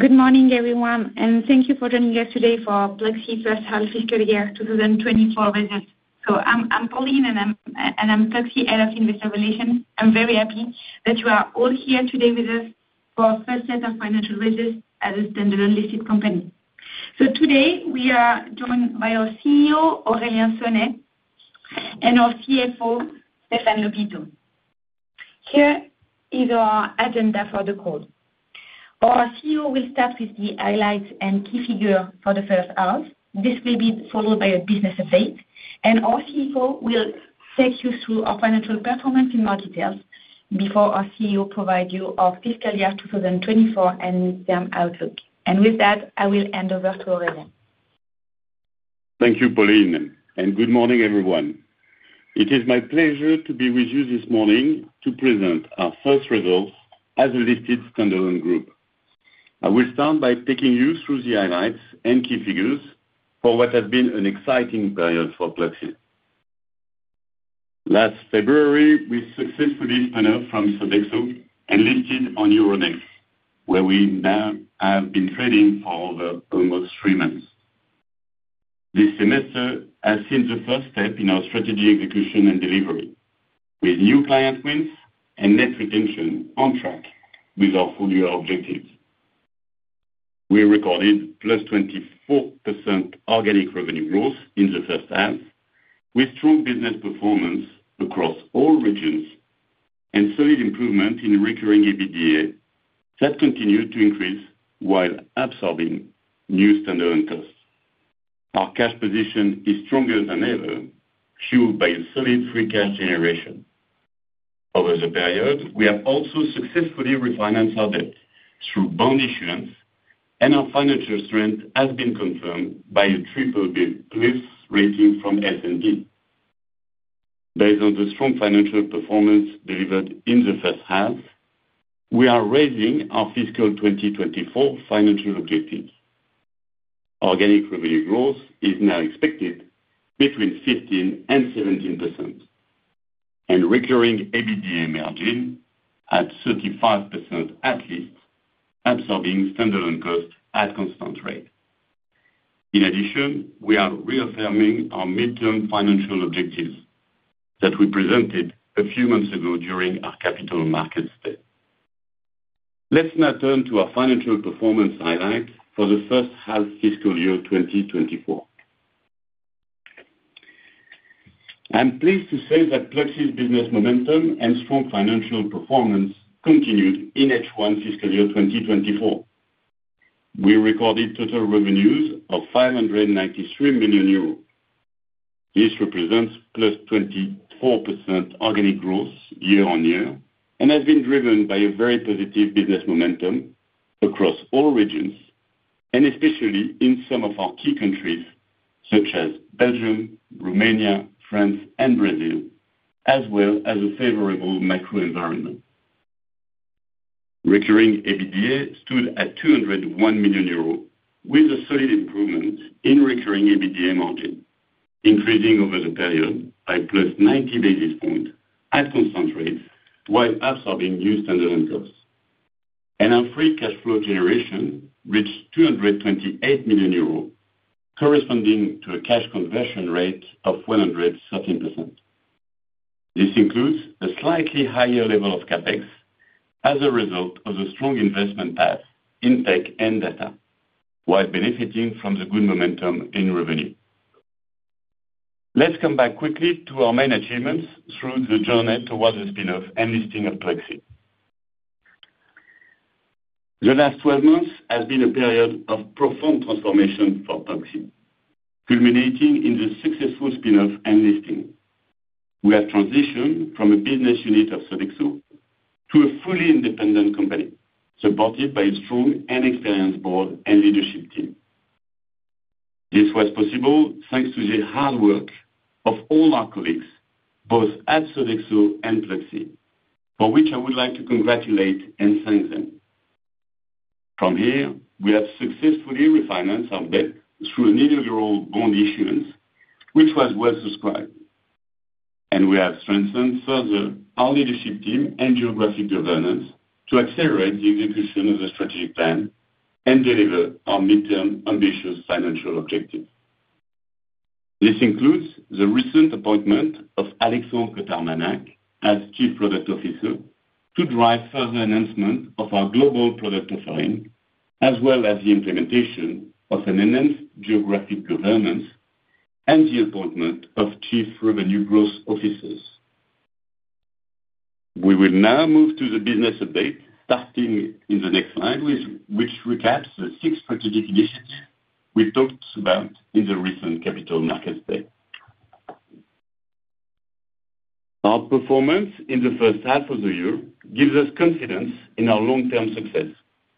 Good morning, everyone, and thank you for joining us today for our Pluxee First Half Year 2024 results. I'm Pauline, and I'm Pluxee's Head of Investor Relations. I'm very happy that you are all here today with us for our first set of financial results as a standalone listed company. Today we are joined by our CEO, Aurélien Sonet, and our CFO, Stéphane Lhopiteau. Here is our agenda for the call. Our CEO will start with the highlights and key figures for the first half. This will be followed by a business update, and our CFO will take you through our financial performance in more detail before our CEO provides you our fiscal year 2024 and mid-term outlook. With that, I will hand over to Aurélien. Thank you, Pauline, and good morning, everyone. It is my pleasure to be with you this morning to present our first results as a listed standalone group. I will start by taking you through the highlights and key figures for what has been an exciting period for Pluxee. Last February, we successfully spun off from Sodexo and listed on Euronext, where we now have been trading for over almost three months. This semester has seen the first step in our strategy execution and delivery, with new client wins and net retention on track with our full-year objectives. We recorded +24% organic revenue growth in the first half, with strong business performance across all regions and solid improvement in recurring EBITDA that continued to increase while absorbing new standalone costs. Our cash position is stronger than ever, fueled by a solid free cash generation. Over the period, we have also successfully refinanced our debt through bond issuance, and our financial strength has been confirmed by a BBB+ rating from S&P. Based on the strong financial performance delivered in the first half, we are raising our fiscal 2024 financial objectives. Organic revenue growth is now expected between 15%-17%, and recurring EBITDA margin at 35% at least, absorbing standalone costs at a constant rate. In addition, we are reaffirming our mid-term financial objectives that we presented a few months ago during our Capital Markets Day. Let's now turn to our financial performance highlights for the first half fiscal year 2024. I'm pleased to say that Pluxee's business momentum and strong financial performance continued in H1 fiscal year 2024. We recorded total revenues of 593 million euros. This represents +24% organic growth year-on-year and has been driven by a very positive business momentum across all regions, and especially in some of our key countries such as Belgium, Romania, France, and Brazil, as well as a favorable macro environment. Recurring EBITDA stood at 201 million euros, with a solid improvement in recurring EBITDA margin, increasing over the period by +90 basis points at a constant rate while absorbing new standalone costs. Our free cash flow generation reached 228 million euros, corresponding to a cash conversion rate of 113%. This includes a slightly higher level of CapEx as a result of the strong investment path in tech and data, while benefiting from the good momentum in revenue. Let's come back quickly to our main achievements through the journey towards the spinoff and listing of Pluxee. The last 12 months have been a period of profound transformation for Pluxee, culminating in the successful spinoff and listing. We have transitioned from a business unit of Sodexo to a fully independent company, supported by a strong and experienced board and leadership team. This was possible thanks to the hard work of all our colleagues, both at Sodexo and Pluxee, for which I would like to congratulate and thank them. From here, we have successfully refinanced our debt through an inaugural bond issuance, which was well subscribed, and we have strengthened further our leadership team and geographic governance to accelerate the execution of the strategic plan and deliver our mid-term ambitious financial objectives. This includes the recent appointment of Alexandre Cotarmanac'h as Chief Product Officer to drive further enhancement of our global product offering, as well as the implementation of an enhanced geographic governance and the appointment of Chief Revenue Growth Officers. We will now move to the business update, starting in the next slide, which recaps the six strategic initiatives we talked about in the recent Capital Markets Day. Our performance in the first half of the year gives us confidence in our long-term success,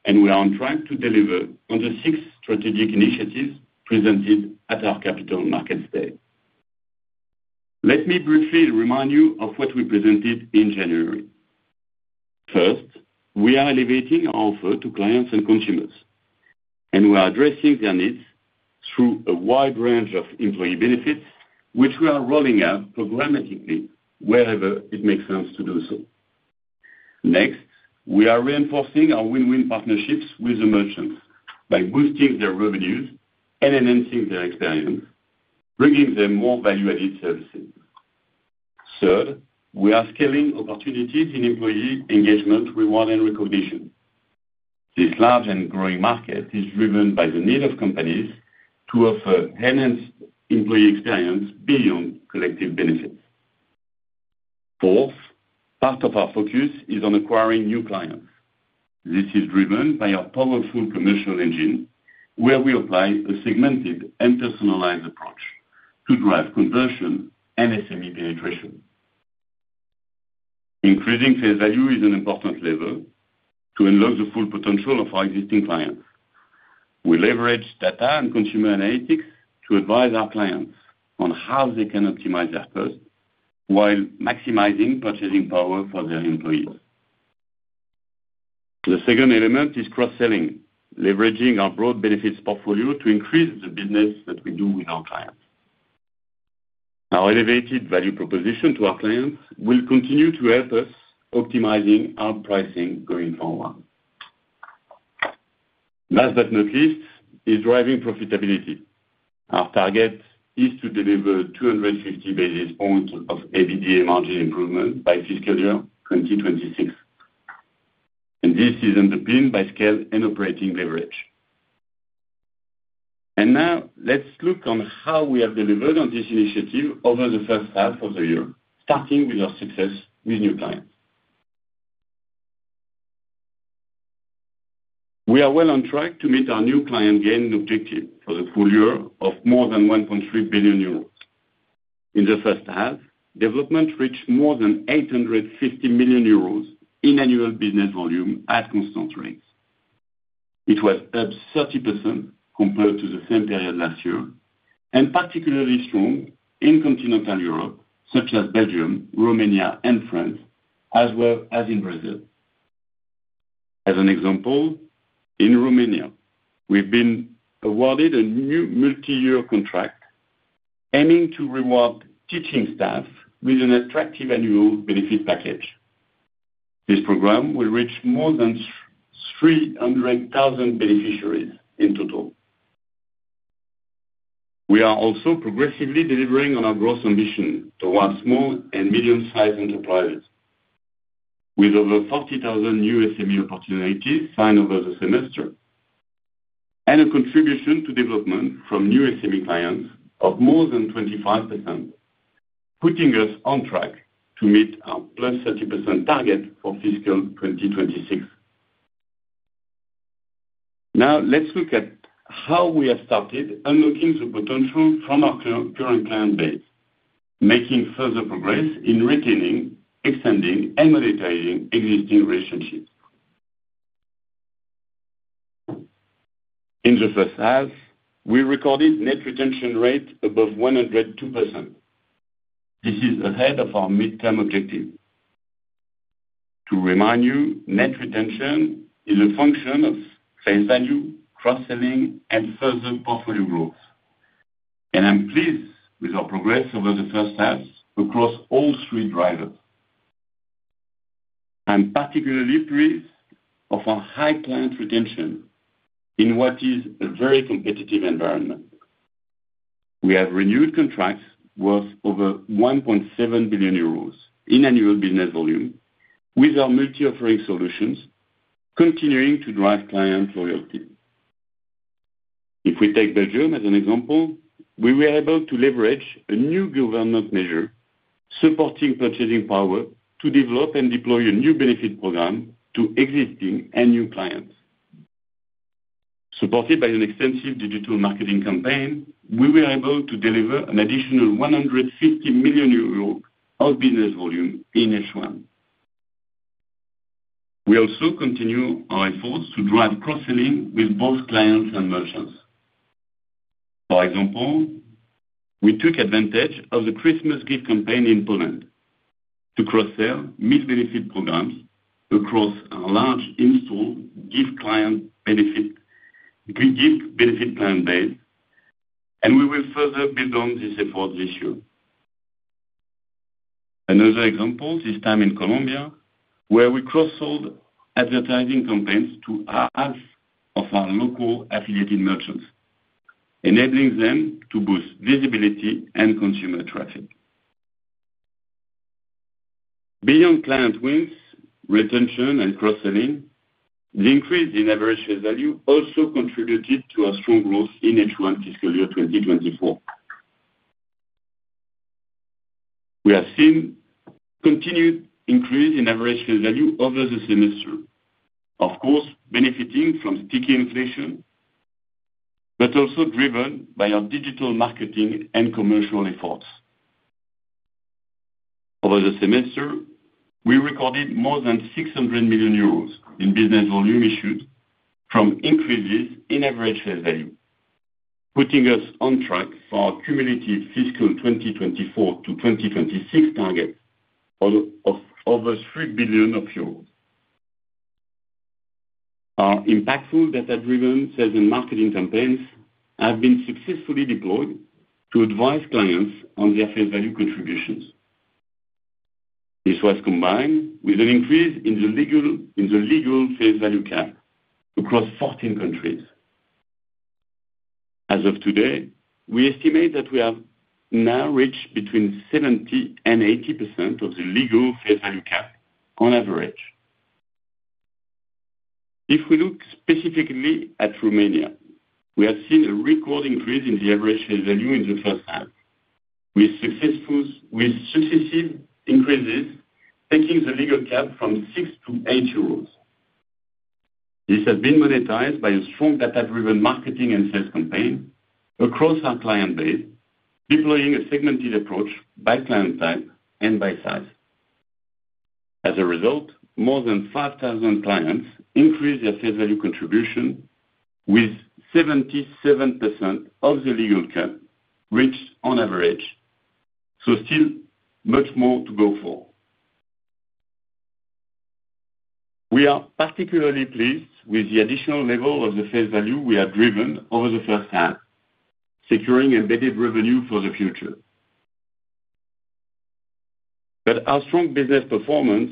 and we are on track to deliver on the six strategic initiatives presented at our Capital Markets Day. Let me briefly remind you of what we presented in January. First, we are elevating our offer to clients and consumers, and we are addressing their needs through a wide range of employee benefits, which we are rolling out programmatically wherever it makes sense to do so. Next, we are reinforcing our win-win partnerships with the merchants by boosting their revenues and enhancing their experience, bringing them more value-added services. Third, we are scaling opportunities in employee engagement, reward, and recognition. This large and growing market is driven by the need of companies to offer enhanced employee experience beyond collective benefits. Fourth, part of our focus is on acquiring new clients. This is driven by our powerful commercial engine, where we apply a segmented and personalized approach to drive conversion and SME penetration. Increasing face value is an important lever to unlock the full potential of our existing clients. We leverage data and consumer analytics to advise our clients on how they can optimize their costs while maximizing purchasing power for their employees. The second element is cross-selling, leveraging our broad benefits portfolio to increase the business that we do with our clients. Our elevated value proposition to our clients will continue to help us optimizing our pricing going forward. Last but not least is driving profitability. Our target is to deliver 250 basis points of EBITDA margin improvement by fiscal year 2026, and this is underpinned by scale and operating leverage. Now, let's look on how we have delivered on this initiative over the first half of the year, starting with our success with new clients. We are well on track to meet our new client gain objective for the full year of more than 1.3 billion euros. In the first half, development reached more than 850 million euros in annual business volume at a constant rate. It was up 30% compared to the same period last year, and particularly strong in continental Europe such as Belgium, Romania, and France, as well as in Brazil. As an example, in Romania, we've been awarded a new multi-year contract aiming to reward teaching staff with an attractive annual benefit package. This program will reach more than 300,000 beneficiaries in total. We are also progressively delivering on our growth ambition towards small and medium-sized enterprises, with over 40,000 new SME opportunities signed over the semester and a contribution to development from new SME clients of more than 25%, putting us on track to meet our +30% target for fiscal 2026. Now, let's look at how we have started unlocking the potential from our current client base, making further progress in retaining, extending, and monetizing existing relationships. In the first half, we recorded net retention rate above 102%. This is ahead of our mid-term objective. To remind you, net retention is a function of face value, cross-selling, and further portfolio growth. I'm pleased with our progress over the first half across all three drivers. I'm particularly pleased of our high client retention in what is a very competitive environment. We have renewed contracts worth over 1.7 billion euros in annual business volume with our multi-offering solutions, continuing to drive client loyalty. If we take Belgium as an example, we were able to leverage a new government measure supporting purchasing power to develop and deploy a new benefit program to existing and new clients. Supported by an extensive digital marketing campaign, we were able to deliver an additional 150 million euros of business volume in H1. We also continue our efforts to drive cross-selling with both clients and merchants. For example, we took advantage of the Christmas gift campaign in Poland to cross-sell meal benefit programs across our large installed gift client benefit client base, and we will further build on this effort this year. Another example is this time in Colombia, where we cross-sold advertising campaigns to half of our local affiliated merchants, enabling them to boost visibility and consumer traffic. Beyond client wins, retention, and cross-selling, the increase in average face value also contributed to our strong growth in H1 fiscal year 2024. We have seen continued increase in average face value over the semester, of course benefiting from sticky inflation, but also driven by our digital marketing and commercial efforts. Over the semester, we recorded more than 600 million euros in business volume issued from increases in average face value, putting us on track for our cumulative fiscal 2024 to 2026 target of over EUR 3 billion. Our impactful data-driven sales and marketing campaigns have been successfully deployed to advise clients on their face value contributions. This was combined with an increase in the legal face value cap across 14 countries. As of today, we estimate that we have now reached between 70% and 80% of the legal face value cap on average. If we look specifically at Romania, we have seen a record increase in the average face value in the first half, with successive increases taking the legal cap from 6 to 8 euros. This has been monetized by a strong data-driven marketing and sales campaign across our client base, deploying a segmented approach by client type and by size. As a result, more than 5,000 clients increased their face value contribution, with 77% of the legal cap reached on average, so still much more to go for. We are particularly pleased with the additional level of the face value we have driven over the first half, securing embedded revenue for the future. But our strong business performance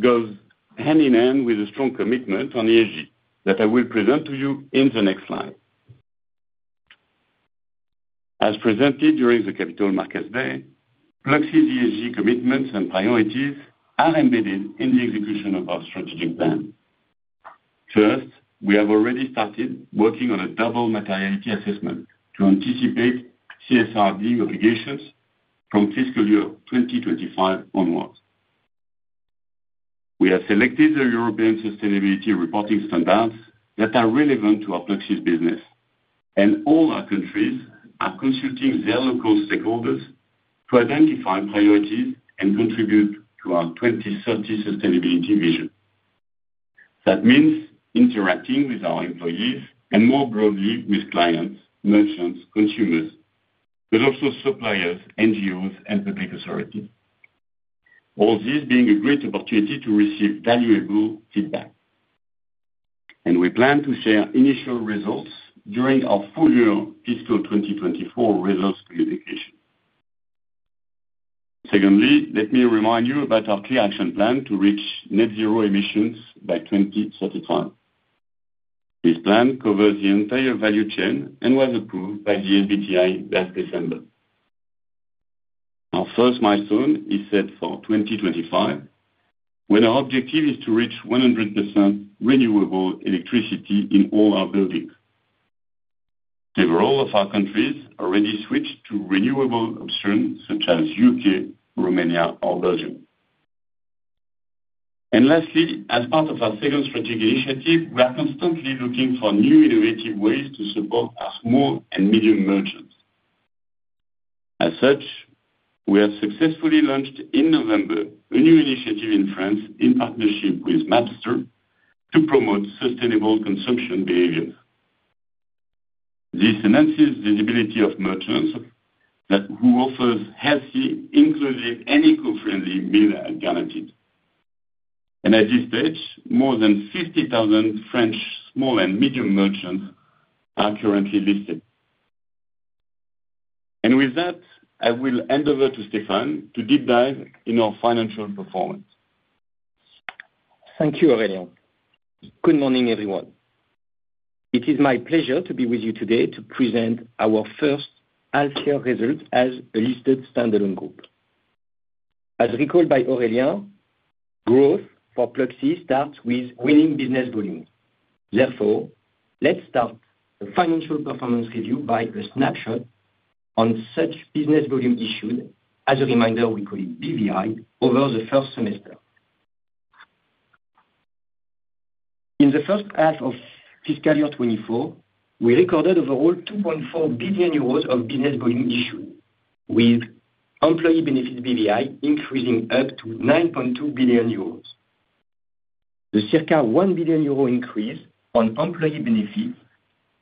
goes hand in hand with a strong commitment on ESG that I will present to you in the next slide. As presented during the Capital Markets Day, Pluxee's ESG commitments and priorities are embedded in the execution of our strategic plan. First, we have already started working on a double materiality assessment to anticipate CSRD obligations from fiscal year 2025 onwards. We have selected the European sustainability reporting standards that are relevant to our Pluxee's business, and all our countries are consulting their local stakeholders to identify priorities and contribute to our 2030 sustainability vision. That means interacting with our employees and more broadly with clients, merchants, consumers, but also suppliers, NGOs, and public authorities, all these being a great opportunity to receive valuable feedback. We plan to share initial results during our full-year fiscal 2024 results communication. Secondly, let me remind you about our clear action plan to reach net-zero emissions by 2035. This plan covers the entire value chain and was approved by the SBTi last December. Our first milestone is set for 2025, when our objective is to reach 100% renewable electricity in all our buildings. Several of our countries already switched to renewable options such as U.K., Romania, or Belgium. Lastly, as part of our second strategic initiative, we are constantly looking for new innovative ways to support our small and medium merchants. As such, we have successfully launched in November a new initiative in France in partnership with Mapstr to promote sustainable consumption behaviors. This enhances visibility of merchants who offer healthy, inclusive, and eco-friendly meal alternatives. At this stage, more than 50,000 French small and medium merchants are currently listed. With that, I will hand over to Stéphane to deep dive in our financial performance. Thank you, Aurélien. Good morning, everyone. It is my pleasure to be with you today to present our first half-year result as a listed standalone group. As recalled by Aurélien, growth for Pluxee starts with winning business volume. Therefore, let's start the financial performance review by a snapshot on such business volume issued, as a reminder, we call it BVI, over the first semester. In the first half of fiscal year 2024, we recorded overall 2.4 billion euros of business volume issued, with employee benefits BVI increasing up to 9.2 billion euros. The circa 1 billion euro increase on employee benefits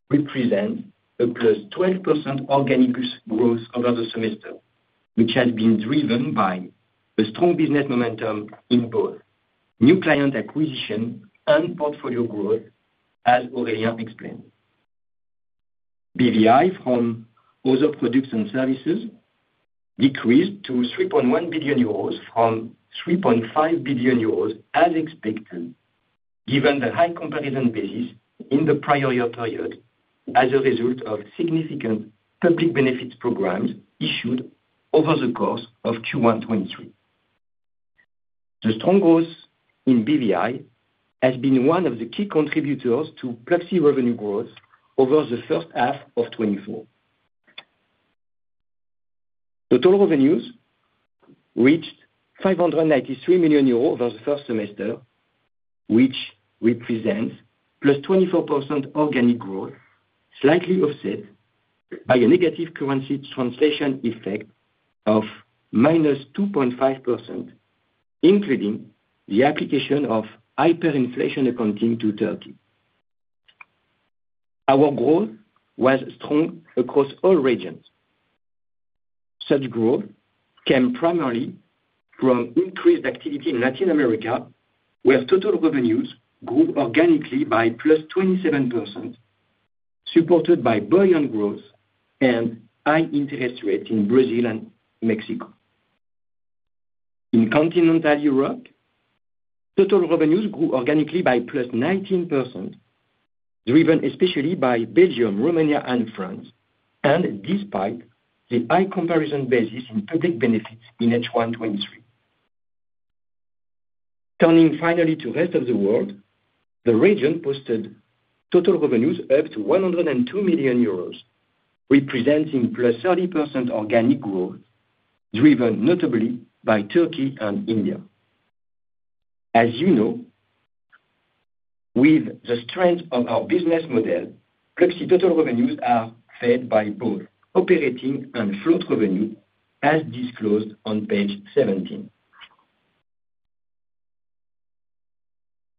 represents a +12% organic growth over the semester, which has been driven by a strong business momentum in both new client acquisition and portfolio growth, as Aurélien explained. BVI from other products and services decreased to 3.1 billion euros from 3.5 billion euros as expected, given the high comparison basis in the prior year period as a result of significant public benefits programs issued over the course of Q1 2023. The strong growth in BVI has been one of the key contributors to Pluxee revenue growth over the first half of 2024. Total revenues reached 593 million euros over the first semester, which represents +24% organic growth, slightly offset by a negative currency translation effect of -2.5%, including the application of hyperinflation accounting to Turkey. Our growth was strong across all regions. Such growth came primarily from increased activity in Latin America, where total revenues grew organically by +27%, supported by buoyant growth and high interest rates in Brazil and Mexico. In continental Europe, total revenues grew organically by +19%, driven especially by Belgium, Romania, and France, and despite the high comparison basis in public benefits in H1 2023. Turning finally to the Rest of the World, the region posted total revenues up to 102 million euros, representing +30% organic growth, driven notably by Turkey and India. As you know, with the strength of our business model, Pluxee total revenues are fed by both operating and float revenue, as disclosed on page 17.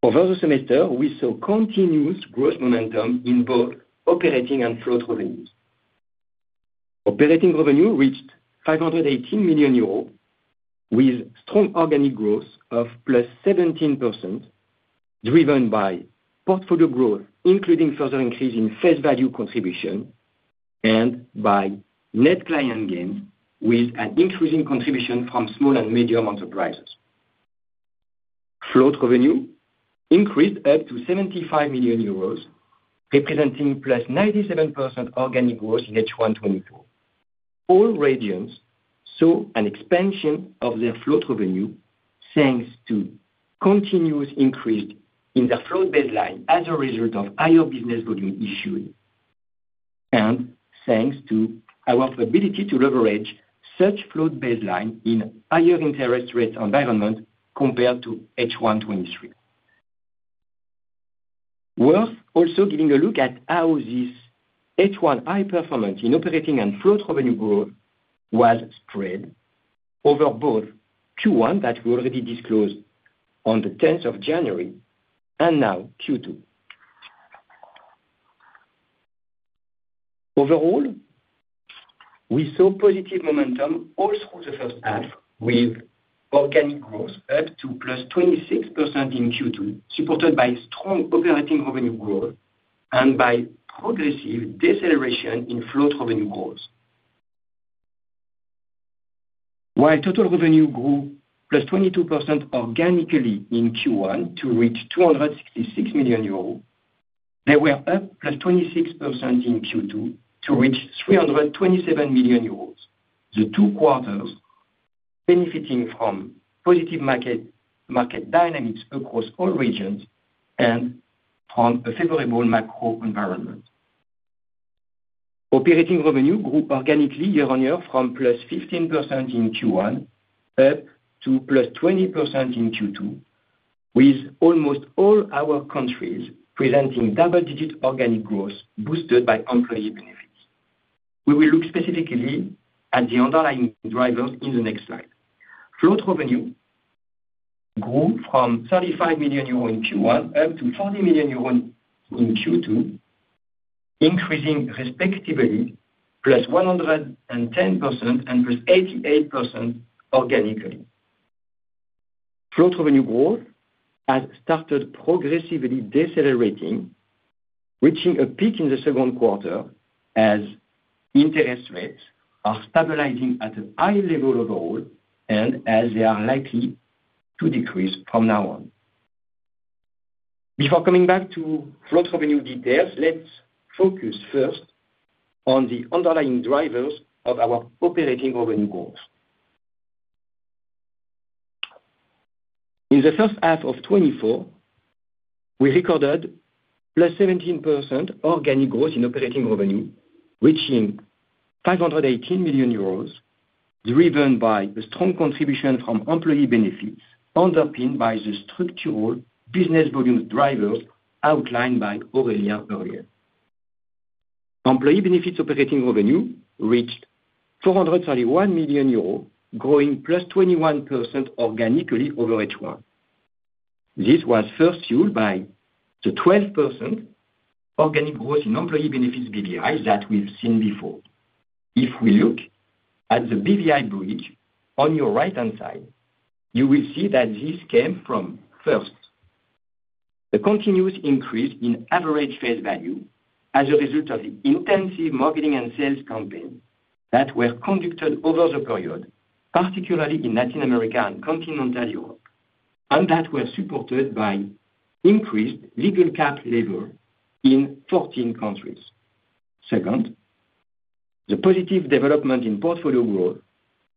Over the semester, we saw continuous growth momentum in both operating and float revenues. Operating revenue reached 518 million euros, with strong organic growth of +17%, driven by portfolio growth, including further increase in face value contribution, and by net client gains, with an increasing contribution from small and medium enterprises. Float revenue increased up to 75 million euros, representing +97% organic growth in H1 2024. All regions saw an expansion of their float revenue thanks to continuous increase in their float baseline as a result of higher business volume issued and thanks to our ability to leverage such float baseline in higher interest rates environment compared to H1 2023. Worth also giving a look at how this H1 high performance in operating and float revenue growth was spread over both Q1 that we already disclosed on the 10th of January and now Q2. Overall, we saw positive momentum all through the first half, with organic growth up to +26% in Q2, supported by strong operating revenue growth and by progressive deceleration in float revenue growth. While total revenue grew +22% organically in Q1 to reach 266 million euros, they were up +26% in Q2 to reach 327 million euros, the two quarters benefiting from positive market dynamics across all regions and from a favorable macro environment. Operating revenue grew organically year-on-year from +15% in Q1 up to +20% in Q2, with almost all our countries presenting double-digit organic growth boosted by employee benefits. We will look specifically at the underlying drivers in the next slide. Float revenue grew from 35 million euros in Q1 up to 40 million euros in Q2, increasing respectively +110% and +88% organically. Float revenue growth has started progressively decelerating, reaching a peak in the second quarter as interest rates are stabilizing at a high level overall and as they are likely to decrease from now on. Before coming back to float revenue details, let's focus first on the underlying drivers of our operating revenue growth. In the first half of 2024, we recorded +17% organic growth in operating revenue, reaching 518 million euros, driven by a strong contribution from employee benefits underpinned by the structural business volume drivers outlined by Aurélien earlier. Employee benefits operating revenue reached 431 million euros, growing +21% organically over H1. This was first fueled by the 12% organic growth in Employee Benefits BVI that we've seen before. If we look at the BVI bridge on your right-hand side, you will see that this came from, first, a continuous increase in average face value as a result of the intensive marketing and sales campaigns that were conducted over the period, particularly in Latin America and Continental Europe, and that were supported by increased legal cap level in 14 countries. Second, the positive development in portfolio growth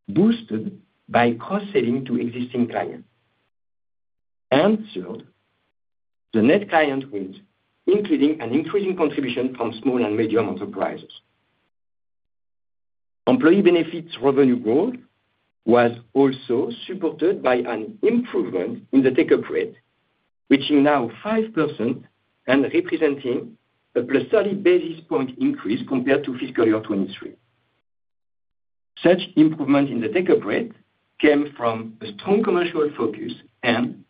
boosted by cross-selling to existing clients. And third, the net client growth, including an increasing contribution from small and medium enterprises. Employee Benefits revenue growth was also supported by an improvement in the take-up rate, reaching now 5% and representing a +30 basis points increase compared to fiscal year 2023. Such improvement in the take-up rate came from a strong commercial focus and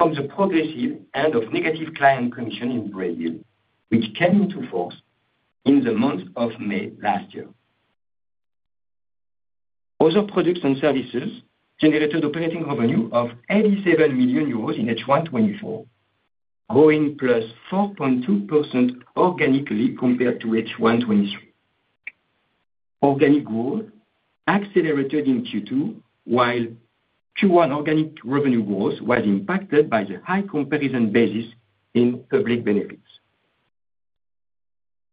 from the progressive end of negative client commission in Brazil, which came into force in the month of May last year. Other products and services generated operating revenue of 87 million euros in H1 2024, growing +4.2% organically compared to H1 2023. Organic growth accelerated in Q2, while Q1 organic revenue growth was impacted by the high comparison basis in public benefits.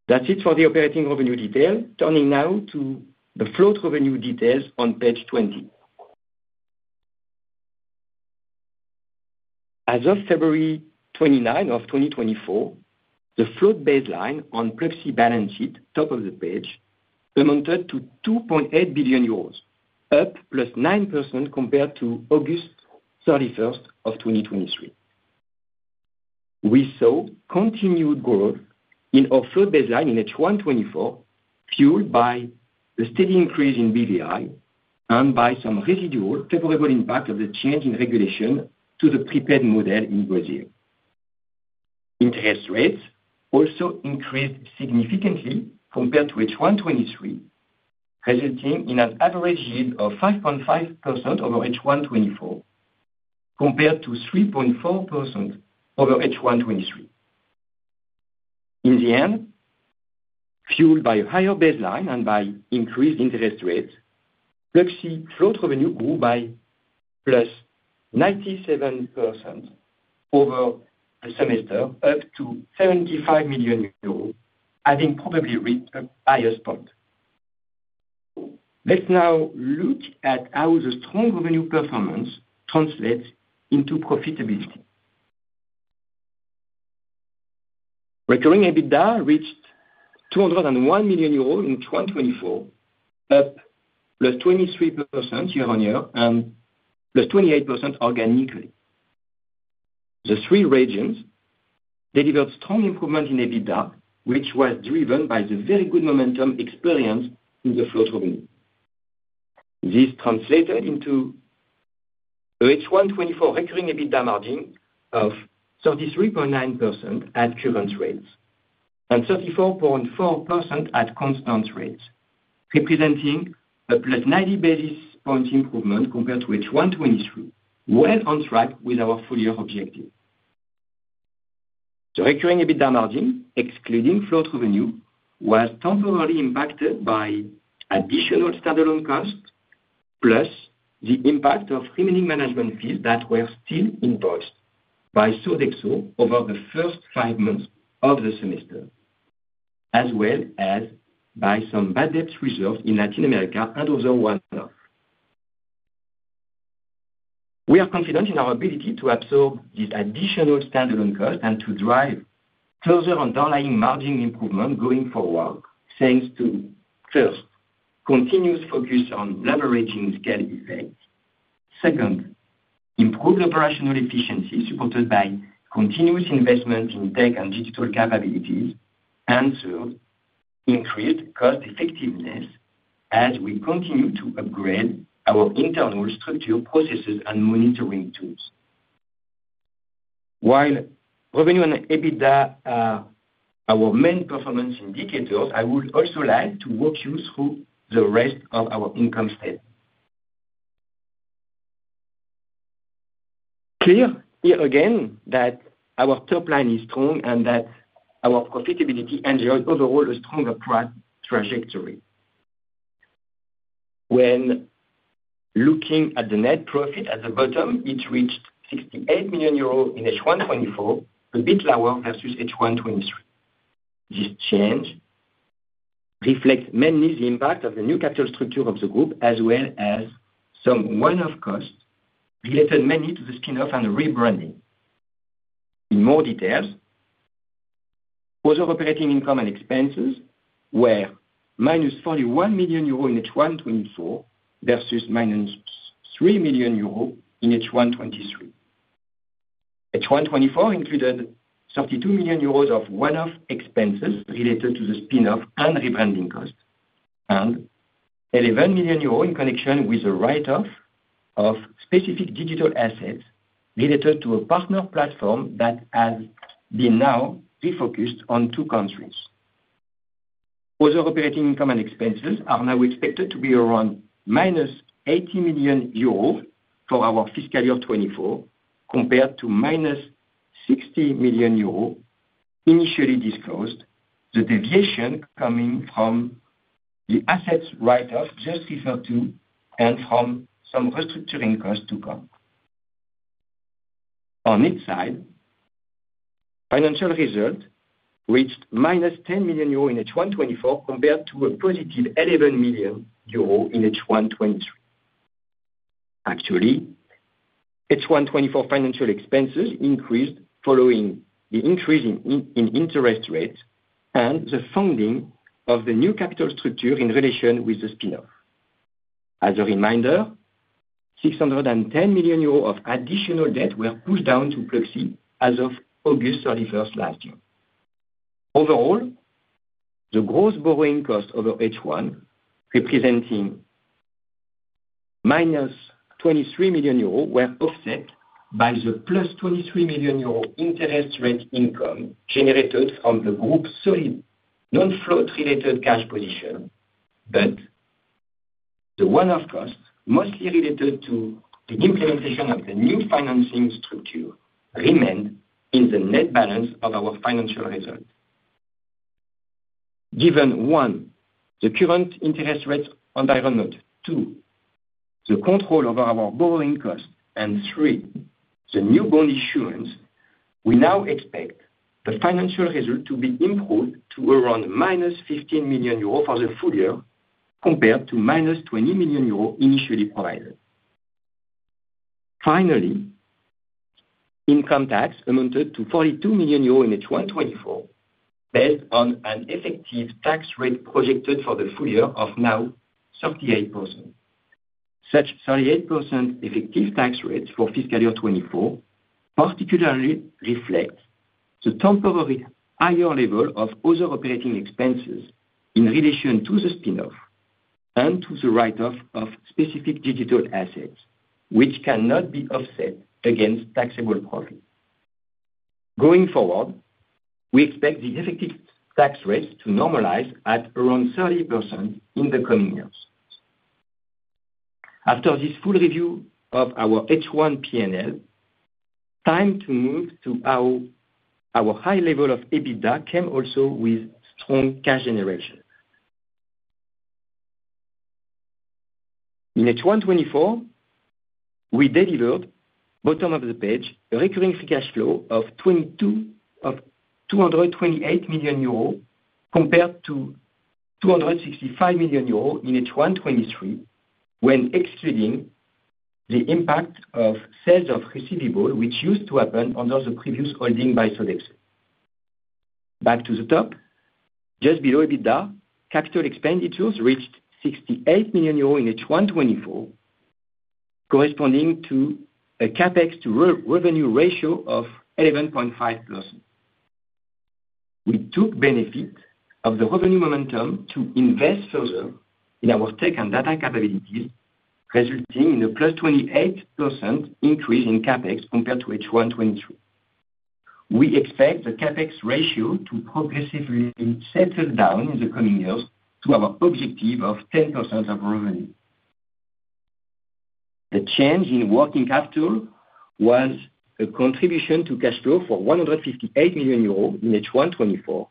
That's it for the operating revenue detail. Turning now to the float revenue details on page 20. As of February 29 of 2024, the float baseline on Pluxee balance sheet, top of the page, amounted to 2.8 billion euros, up +9% compared to August 31st of 2023. We saw continued growth in our float baseline in H1 2024, fueled by the steady increase in BVI and by some residual favorable impact of the change in regulation to the prepaid model in Brazil. Interest rates also increased significantly compared to H1 2023, resulting in an average yield of 5.5% over H1 2024 compared to 3.4% over H1 2023. In the end, fueled by a higher baseline and by increased interest rates, Pluxee float revenue grew by +97% over the semester, up to 75 million euros, having probably reached a highest point. Let's now look at how the strong revenue performance translates into profitability. Recurring EBITDA reached 201 million euros in H1 2024, up +23% year-on-year and +28% organically. The three regions delivered strong improvement in EBITDA, which was driven by the very good momentum experience in the float revenue. This translated into a H1 2024 recurring EBITDA margin of 33.9% at current rates and 34.4% at constant rates, representing a +90 basis point improvement compared to H1 2023, well on track with our full year objective. The recurring EBITDA margin, excluding float revenue, was temporarily impacted by additional standalone costs plus the impact of remaining management fees that were still invoiced by Sodexo over the first five months of the semester, as well as by some bad debts reserved in Latin America and other one-off. We are confident in our ability to absorb these additional standalone costs and to drive closer underlying margin improvement going forward, thanks to, first, continuous focus on leveraging scale effects. Second, improved operational efficiency supported by continuous investment in tech and digital capabilities. And third, increased cost effectiveness as we continue to upgrade our internal structure, processes, and monitoring tools. While revenue and EBITDA are our main performance indicators, I would also like to walk you through the rest of our income statement. Clear here again that our top line is strong and that our profitability enjoyed overall a stronger trajectory. When looking at the net profit at the bottom, it reached 68 million euros in H1 2024, a bit lower versus H1 2023. This change reflects mainly the impact of the new capital structure of the group, as well as some one-off costs related mainly to the spin-off and rebranding. In more details, other operating income and expenses were -41 million euro in H1 2024 versus -3 million euro in H1 2023. H1 2024 included 32 million euros of one-off expenses related to the spin-off and rebranding costs and 11 million euros in connection with the write-off of specific digital assets related to a partner platform that has been now refocused on two countries. Other operating income and expenses are now expected to be around -80 million euros for our fiscal year 2024 compared to -60 million euros initially disclosed, the deviation coming from the assets write-off just referred to and from some restructuring costs to come. On its side, financial result reached -10 million euro in H1 2024 compared to a +11 million euro in H1 2023. Actually, H1 2024 financial expenses increased following the increase in interest rates and the funding of the new capital structure in relation with the spin-off. As a reminder, 610 million euros of additional debt were pushed down to Pluxee as of August 31st last year. Overall, the gross borrowing cost over H1, representing -23 million euros, were offset by the +23 million euro interest rate income generated from the group's solid non-float related cash position. But the one-off costs, mostly related to the implementation of the new financing structure, remained in the net balance of our financial result. Given one, the current interest rate environment, two, the control over our borrowing costs, and three, the new bond issuance, we now expect the financial result to be improved to around minus 15 million euros for the full year compared to -20 million euros initially provided. Finally, income tax amounted to 42 million euros in H1 2024 based on an effective tax rate projected for the full year of now 38%. Such 38% effective tax rates for fiscal year 2024 particularly reflect the temporary higher level of other operating expenses in relation to the spin-off and to the write-off of specific digital assets, which cannot be offset against taxable profit. Going forward, we expect the effective tax rates to normalize at around 30% in the coming years. After this full review of our H1 P&L, time to move to our high level of EBITDA came also with strong cash generation. In H1 2024, we delivered, bottom of the page, a recurring free cash flow of 228 million euros compared to 265 million euros in H1 2023, when excluding the impact of sales of receivables, which used to happen under the previous holding by Sodexo. Back to the top, just below EBITDA, capital expenditures reached 68 million euros in H1 2024, corresponding to a CapEx-to-revenue ratio of 11.5%. We took benefit of the revenue momentum to invest further in our tech and data capabilities, resulting in a +28% increase in CapEx compared to H1 2023. We expect the CapEx ratio to progressively settle down in the coming years to our objective of 10% of revenue. The change in working capital was a contribution to cash flow for 158 million euros in H1 2024,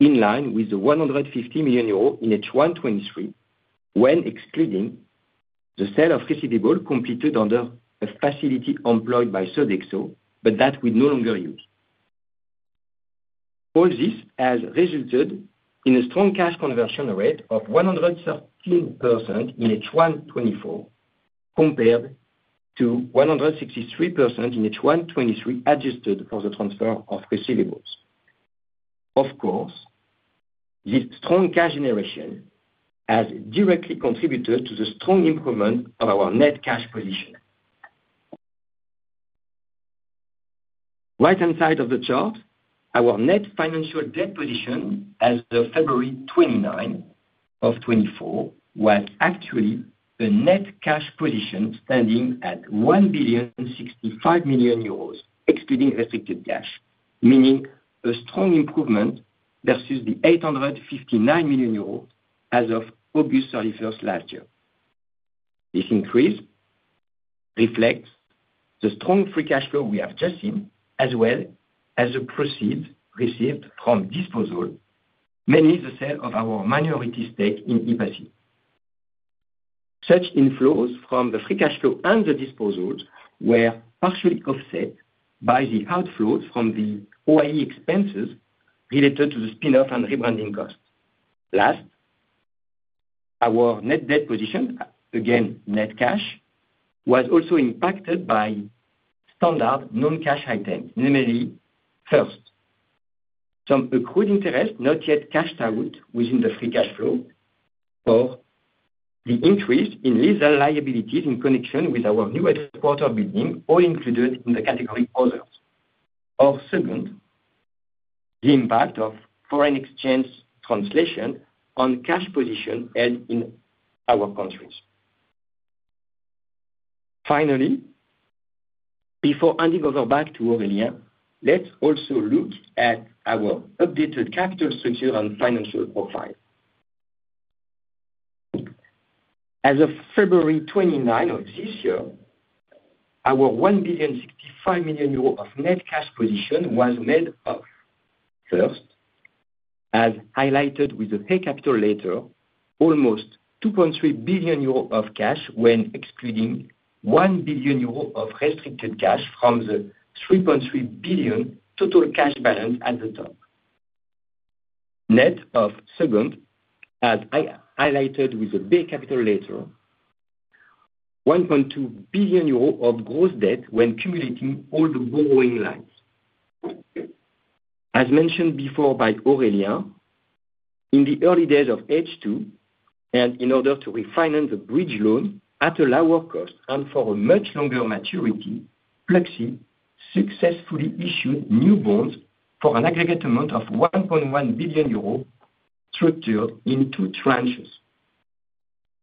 in line with the 150 million euros in H1 2023, when excluding the sale of receivables completed under a facility employed by Sodexo, but that we no longer use. All this has resulted in a strong cash conversion rate of 113% in H1 2024 compared to 163% in H1 2023 adjusted for the transfer of receivables. Of course, this strong cash generation has directly contributed to the strong improvement of our net cash position. Right-hand side of the chart, our net financial debt position as of February 29, 2024 was actually a net cash position standing at 1.065 billion, excluding restricted cash, meaning a strong improvement versus the 859 million euros as of August 31st last year. This increase reflects the strong free cash flow we have just seen, as well as the proceeds received from disposal, mainly the sale of our minority stake in Epassi. Such inflows from the free cash flow and the disposals were partially offset by the outflows from the OIE expenses related to the spin-off and rebranding costs. Last, our net debt position, again net cash, was also impacted by standard non-cash items, namely, first, some accrued interest not yet cashed out within the free cash flow or the increase in lease liabilities in connection with our new headquarters building, all included in the category others. Or second, the impact of foreign exchange translation on cash position held in our countries. Finally, before handing over back to Aurélien, let's also look at our updated capital structure and financial profile. As of February 29 of this year, our 1.065 billion of net cash position was made up. First, as highlighted with the equity capital layer, almost 2.3 billion euro of cash when excluding 1 billion euro of restricted cash from the 3.3 billion total cash balance at the top. Second, as highlighted with the equity capital layer, 1.2 billion euros of gross debt when cumulating all the borrowing lines. As mentioned before by Aurélien, in the early days of H2 and in order to refinance a bridge loan at a lower cost and for a much longer maturity, Pluxee successfully issued new bonds for an aggregate amount of 1.1 billion euro structured in two tranches: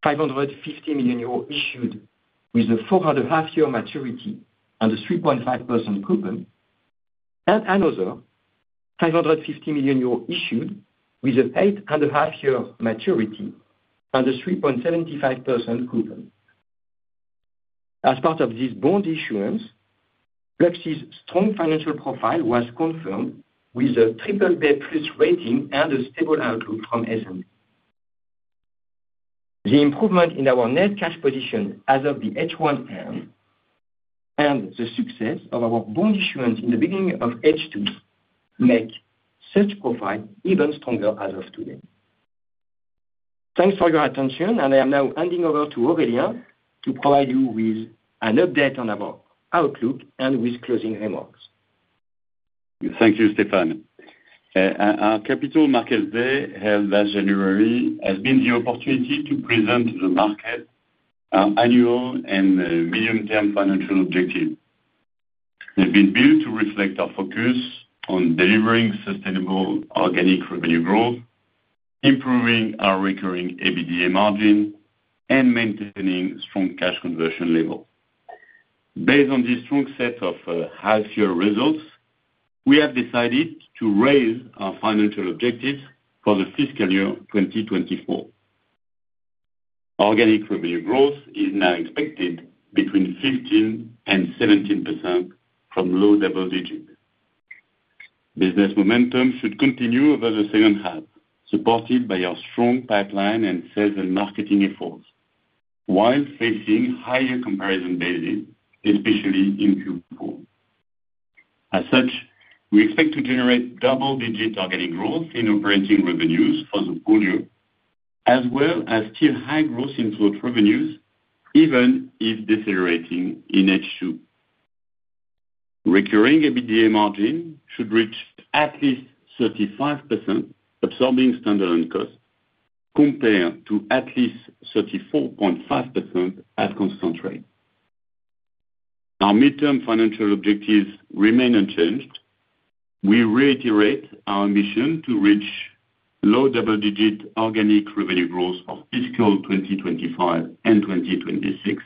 550 million euro issued with a 4.5-year maturity and a 3.5% coupon, and another 550 million euros issued with an 8.5-year maturity and a 3.75% coupon. As part of this bond issuance, Pluxee's strong financial profile was confirmed with a BBB+ rating and a stable outlook from S&P. The improvement in our net cash position as of the H1 end and the success of our bond issuance in the beginning of H2 make such profile even stronger as of today. Thanks for your attention. I am now handing over to Aurélien to provide you with an update on our outlook and with closing remarks. Thank you, Stéphane. Our Capital Markets Day held last January has been the opportunity to present to the market our annual and medium-term financial objective. They've been built to reflect our focus on delivering sustainable organic revenue growth, improving our recurring EBITDA margin, and maintaining strong cash conversion levels. Based on this strong set of half-year results, we have decided to raise our financial objectives for the fiscal year 2024. Organic revenue growth is now expected between 15%-17% from low double-digit. Business momentum should continue over the second half, supported by our strong pipeline and sales and marketing efforts while facing higher comparison basis, especially in Q4. As such, we expect to generate double-digit organic growth in operating revenues for the full year, as well as still high growth in float revenues, even if decelerating in H2. Recurring EBITDA margin should reach at least 35% absorbing standalone costs compared to at least 34.5% at constant rate. Our mid-term financial objectives remain unchanged. We reiterate our ambition to reach low double-digit organic revenue growth for fiscal 2025 and 2026,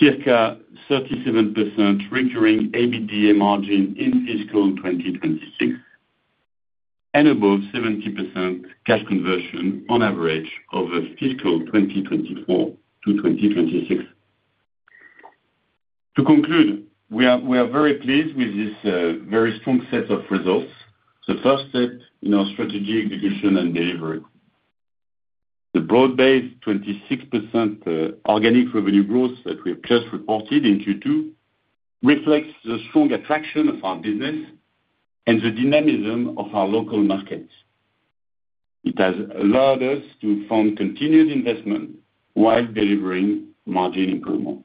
circa 37% recurring EBITDA margin in fiscal 2026, and above 70% cash conversion on average over fiscal 2024 to 2026. To conclude, we are very pleased with this very strong set of results, the first step in our strategy execution and delivery. The broad-based 26% organic revenue growth that we have just reported in Q2 reflects the strong attraction of our business and the dynamism of our local markets. It has allowed us to fund continued investment while delivering margin improvement.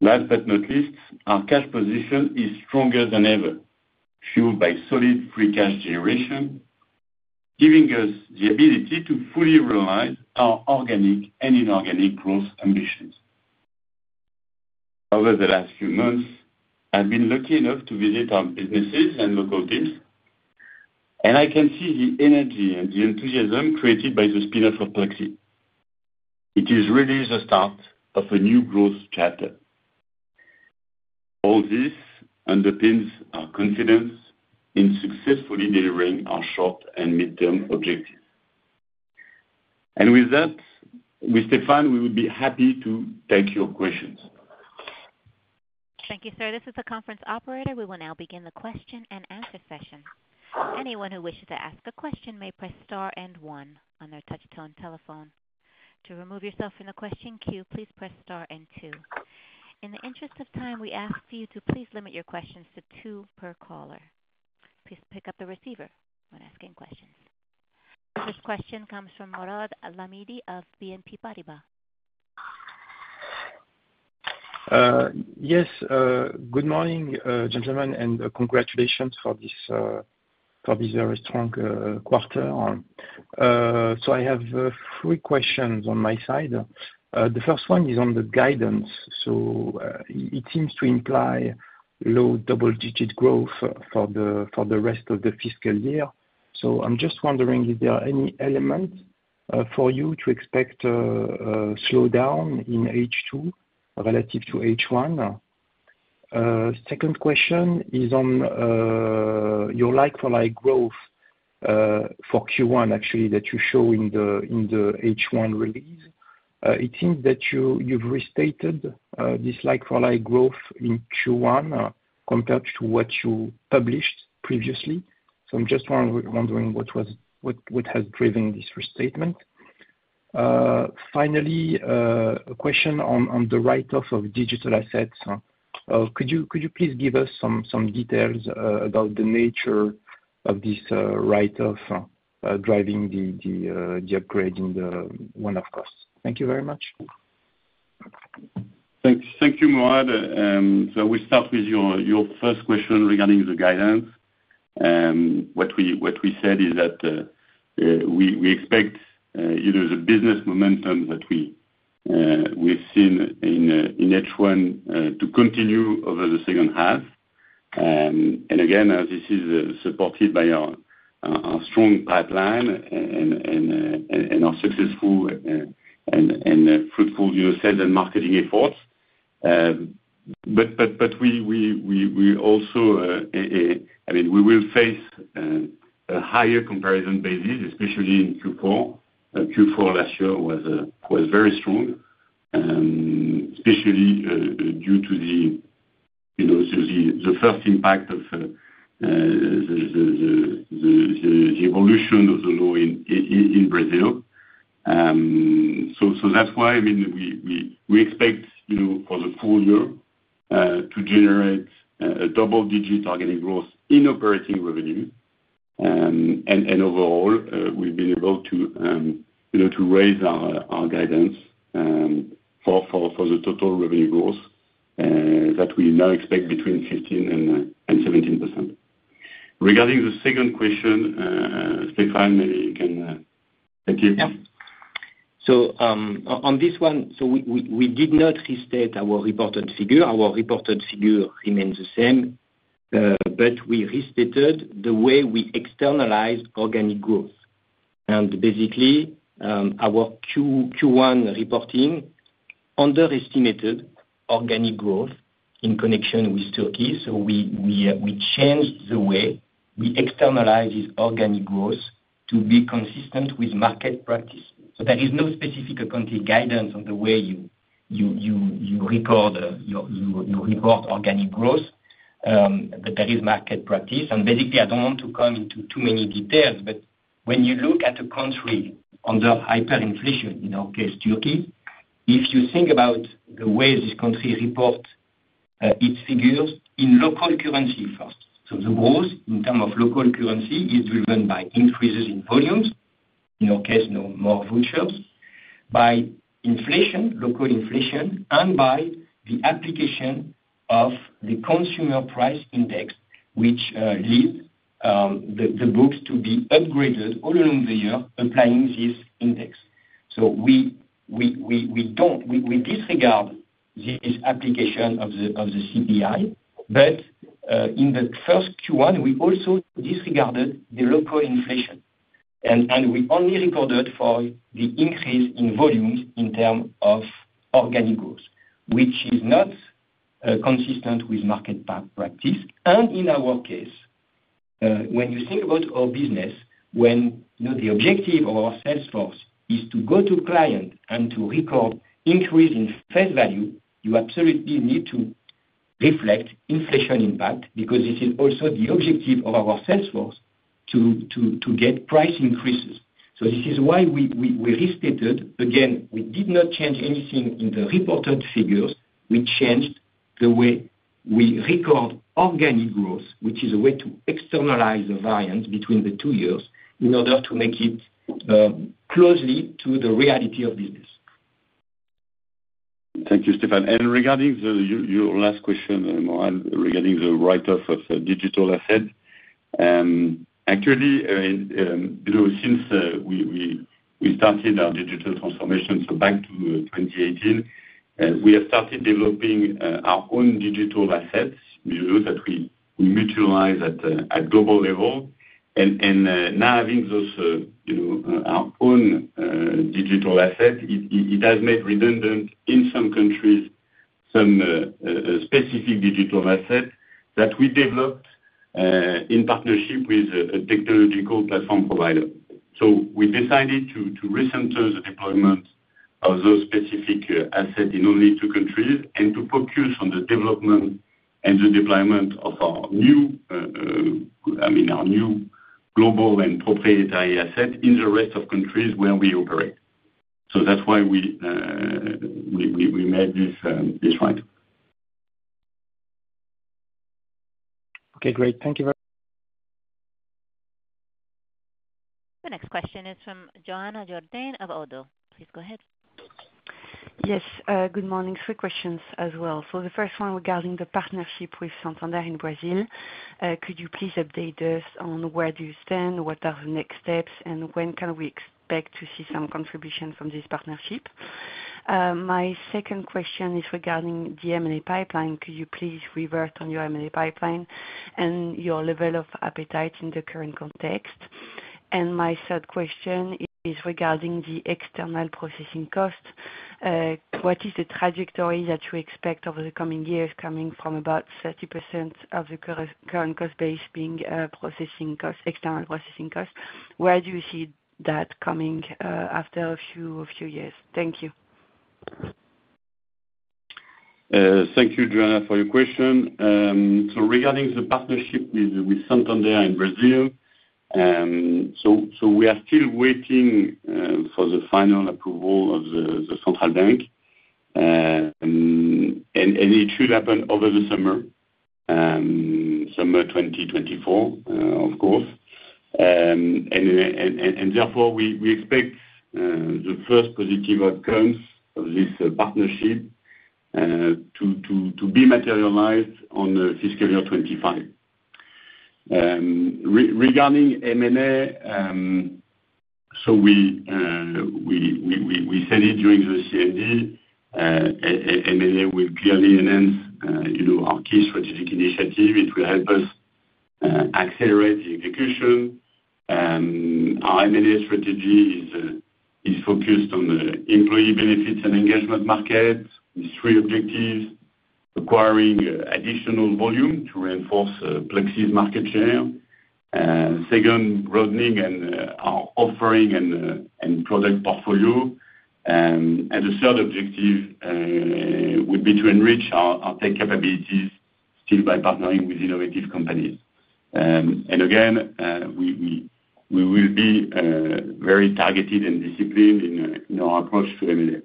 Last but not least, our cash position is stronger than ever, fueled by solid free cash generation, giving us the ability to fully realize our organic and inorganic growth ambitions. Over the last few months, I've been lucky enough to visit our businesses and local teams, and I can see the energy and the enthusiasm created by the spin-off of Pluxee. It is really the start of a new growth chapter. All this underpins our confidence in successfully delivering our short and mid-term objectives. With that, with Stéphane, we would be happy to take your questions. Thank you, sir. This is the conference operator. We will now begin the question-and-answer session. Anyone who wishes to ask a question may press star and one on their touch-tone telephone. To remove yourself from the question queue, please press star and two. In the interest of time, we ask you to please limit your questions to two per caller. Please pick up the receiver when asking questions. First question comes from Mourad Lahmidi of BNP Paribas. Yes. Good morning, gentlemen, and congratulations for this very strong quarter. So I have three questions on my side. The first one is on the guidance. So it seems to imply low double-digit growth for the rest of the fiscal year. So I'm just wondering if there are any elements for you to expect a slowdown in H2 relative to H1. Second question is on your like-for-like growth for Q1, actually, that you show in the H1 release. It seems that you've restated this like-for-like growth in Q1 compared to what you published previously. So I'm just wondering what has driven this restatement. Finally, a question on the write-off of digital assets. Could you please give us some details about the nature of this write-off driving the upgrade in the one-off costs? Thank you very much. Thank you, Mourad. So we start with your first question regarding the guidance. What we said is that we expect either the business momentum that we've seen in H1 to continue over the second half. And again, this is supported by our strong pipeline and our successful and fruitful sales and marketing efforts. But we also, I mean, we will face a higher comparison basis, especially in Q4. Q4 last year was very strong, especially due to the first impact of the evolution of the law in Brazil. So that's why, I mean, we expect for the full year to generate a double-digit organic growth in operating revenue. And overall, we've been able to raise our guidance for the total revenue growth that we now expect between 15%-17%. Regarding the second question, Stéphane, maybe you can take it. Yeah. So on this one, so we did not restate our reported figure. Our reported figure remains the same. But we restated the way we externalize organic growth. And basically, our Q1 reporting underestimated organic growth in connection with Turkey. So we changed the way we externalize this organic growth to be consistent with market practice. So there is no specific accounting guidance on the way you report organic growth. But there is market practice. And basically, I don't want to come into too many details. But when you look at a country under hyperinflation, in our case, Turkey, if you think about the way this country reports its figures in local currency first. So the growth in terms of local currency is driven by increases in volumes, in our case, more vouchers, by local inflation, and by the application of the Consumer Price Index, which leads the books to be upgraded all along the year applying this index. We disregard this application of the CPI. But in the first Q1, we also disregarded the local inflation. And we only recorded for the increase in volumes in terms of organic growth, which is not consistent with market practice. And in our case, when you think about our business, when the objective of our sales force is to go to client and to record increase in face value, you absolutely need to reflect inflation impact because this is also the objective of our sales force to get price increases. So this is why we restated. Again, we did not change anything in the reported figures. We changed the way we record organic growth, which is a way to externalize the variance between the two years in order to make it closely to the reality of business. Thank you, Stéphane. Regarding your last question, Mourad, regarding the write-off of digital assets. Actually, since we started our digital transformation, so back to 2018, we have started developing our own digital assets that we mutualize at global level. And now having our own digital asset, it has made redundant in some countries some specific digital assets that we developed in partnership with a technological platform provider. So we decided to recenter the deployment of those specific assets in only two countries and to focus on the development and the deployment of our new I mean, our new global and proprietary asset in the rest of countries where we operate. So that's why we made this write. Okay. Great. Thank you very much. The next question is from Johanna Jourdain of ODDO BHF. Please go ahead. Yes. Good morning. Three questions as well. So the first one regarding the partnership with Santander in Brazil. Could you please update us on where do you stand, what are the next steps, and when can we expect to see some contribution from this partnership? My second question is regarding the M&A pipeline. Could you please revert on your M&A pipeline and your level of appetite in the current context? And my third question is regarding the external processing costs. What is the trajectory that you expect over the coming years coming from about 30% of the current cost base being external processing costs? Where do you see that coming after a few years? Thank you. Thank you, Johanna, for your question. So regarding the partnership with Santander in Brazil, so we are still waiting for the final approval of the central bank. It should happen over the summer, summer 2024, of course. Therefore, we expect the first positive outcomes of this partnership to be materialized on fiscal year 2025. Regarding M&A, so we said it during the Capital Markets Day, M&A will clearly enhance our key strategic initiative. It will help us accelerate the execution. Our M&A strategy is focused on the employee benefits and engagement market with three objectives: acquiring additional volume to reinforce Pluxee's market share, second, broadening our offering and product portfolio, and the third objective would be to enrich our tech capabilities still by partnering with innovative companies. Again, we will be very targeted and disciplined in our approach to M&A.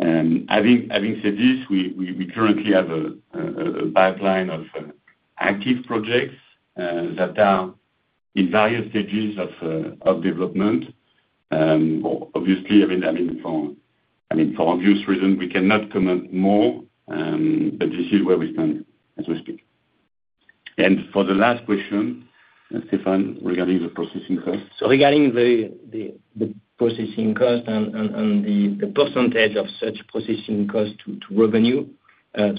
Having said this, we currently have a pipeline of active projects that are in various stages of development. Obviously, I mean, for obvious reasons, we cannot comment more. But this is where we stand as we speak. For the last question, Stéphane, regarding the processing costs. So, regarding the processing costs and the percentage of such processing costs to revenue,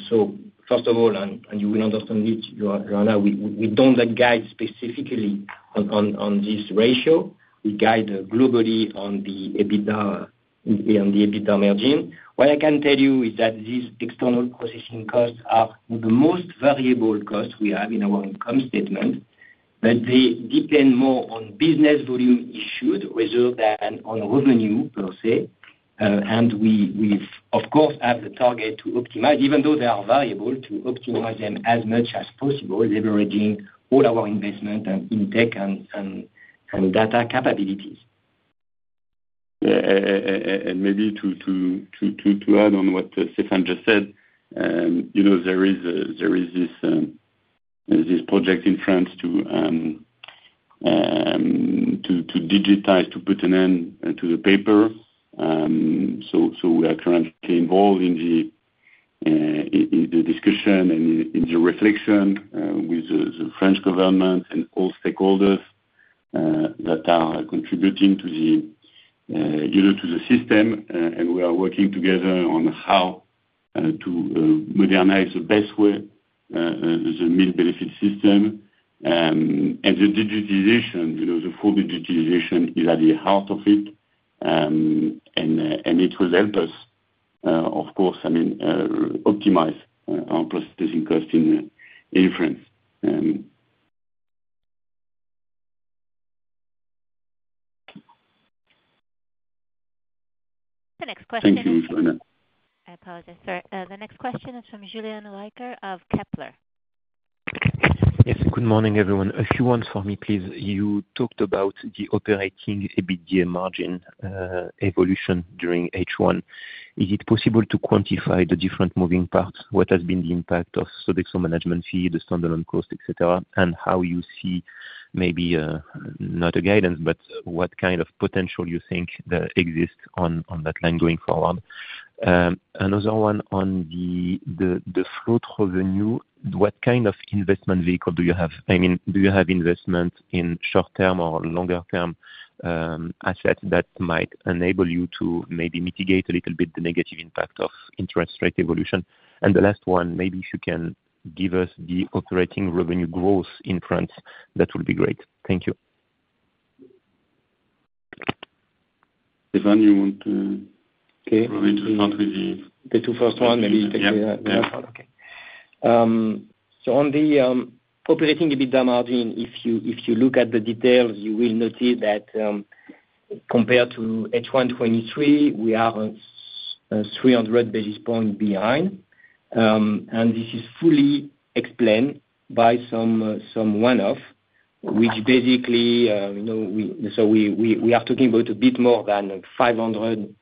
so first of all, and you will understand it, Johanna, we don't guide specifically on this ratio. We guide globally on the EBITDA margin. What I can tell you is that these external processing costs are the most variable costs we have in our income statement. But they depend more on business volume issued rather than on revenue per se. And we, of course, have the target to optimize, even though they are variable, to optimize them as much as possible, leveraging all our investment and intake and data capabilities. Maybe to add on what Stéphane just said, there is this project in France to digitize, to put an end to the paper. We are currently involved in the discussion and in the reflection with the French government and all stakeholders that are contributing to the system. We are working together on how to modernize the best way the meal benefit system. The digitization, the full digitization, is at the heart of it. It will help us, of course, I mean, optimize our processing costs in France. The next question. Thank you, Johanna. I apologize, sir. The next question is from Julien Richer of Kepler Cheuvreux. Yes. Good morning, everyone. A few words for me, please. You talked about the operating EBITDA margin evolution during H1. Is it possible to quantify the different moving parts? What has been the impact of Sodexo management fee, the standalone cost, etc., and how you see maybe not a guidance, but what kind of potential you think exists on that line going forward? Another one on the float revenue, what kind of investment vehicle do you have? I mean, do you have investments in short-term or longer-term assets that might enable you to maybe mitigate a little bit the negative impact of interest rate evolution? And the last one, maybe if you can give us the operating revenue growth in France, that would be great. Thank you. Stéphane, you want to? Okay. Probably to start with the. The two first ones, maybe take the last one. Okay. So on the operating EBITDA margin, if you look at the details, you will notice that compared to H1 2023, we are 300 basis points behind. This is fully explained by some one-off, which basically so we are talking about a bit more than 500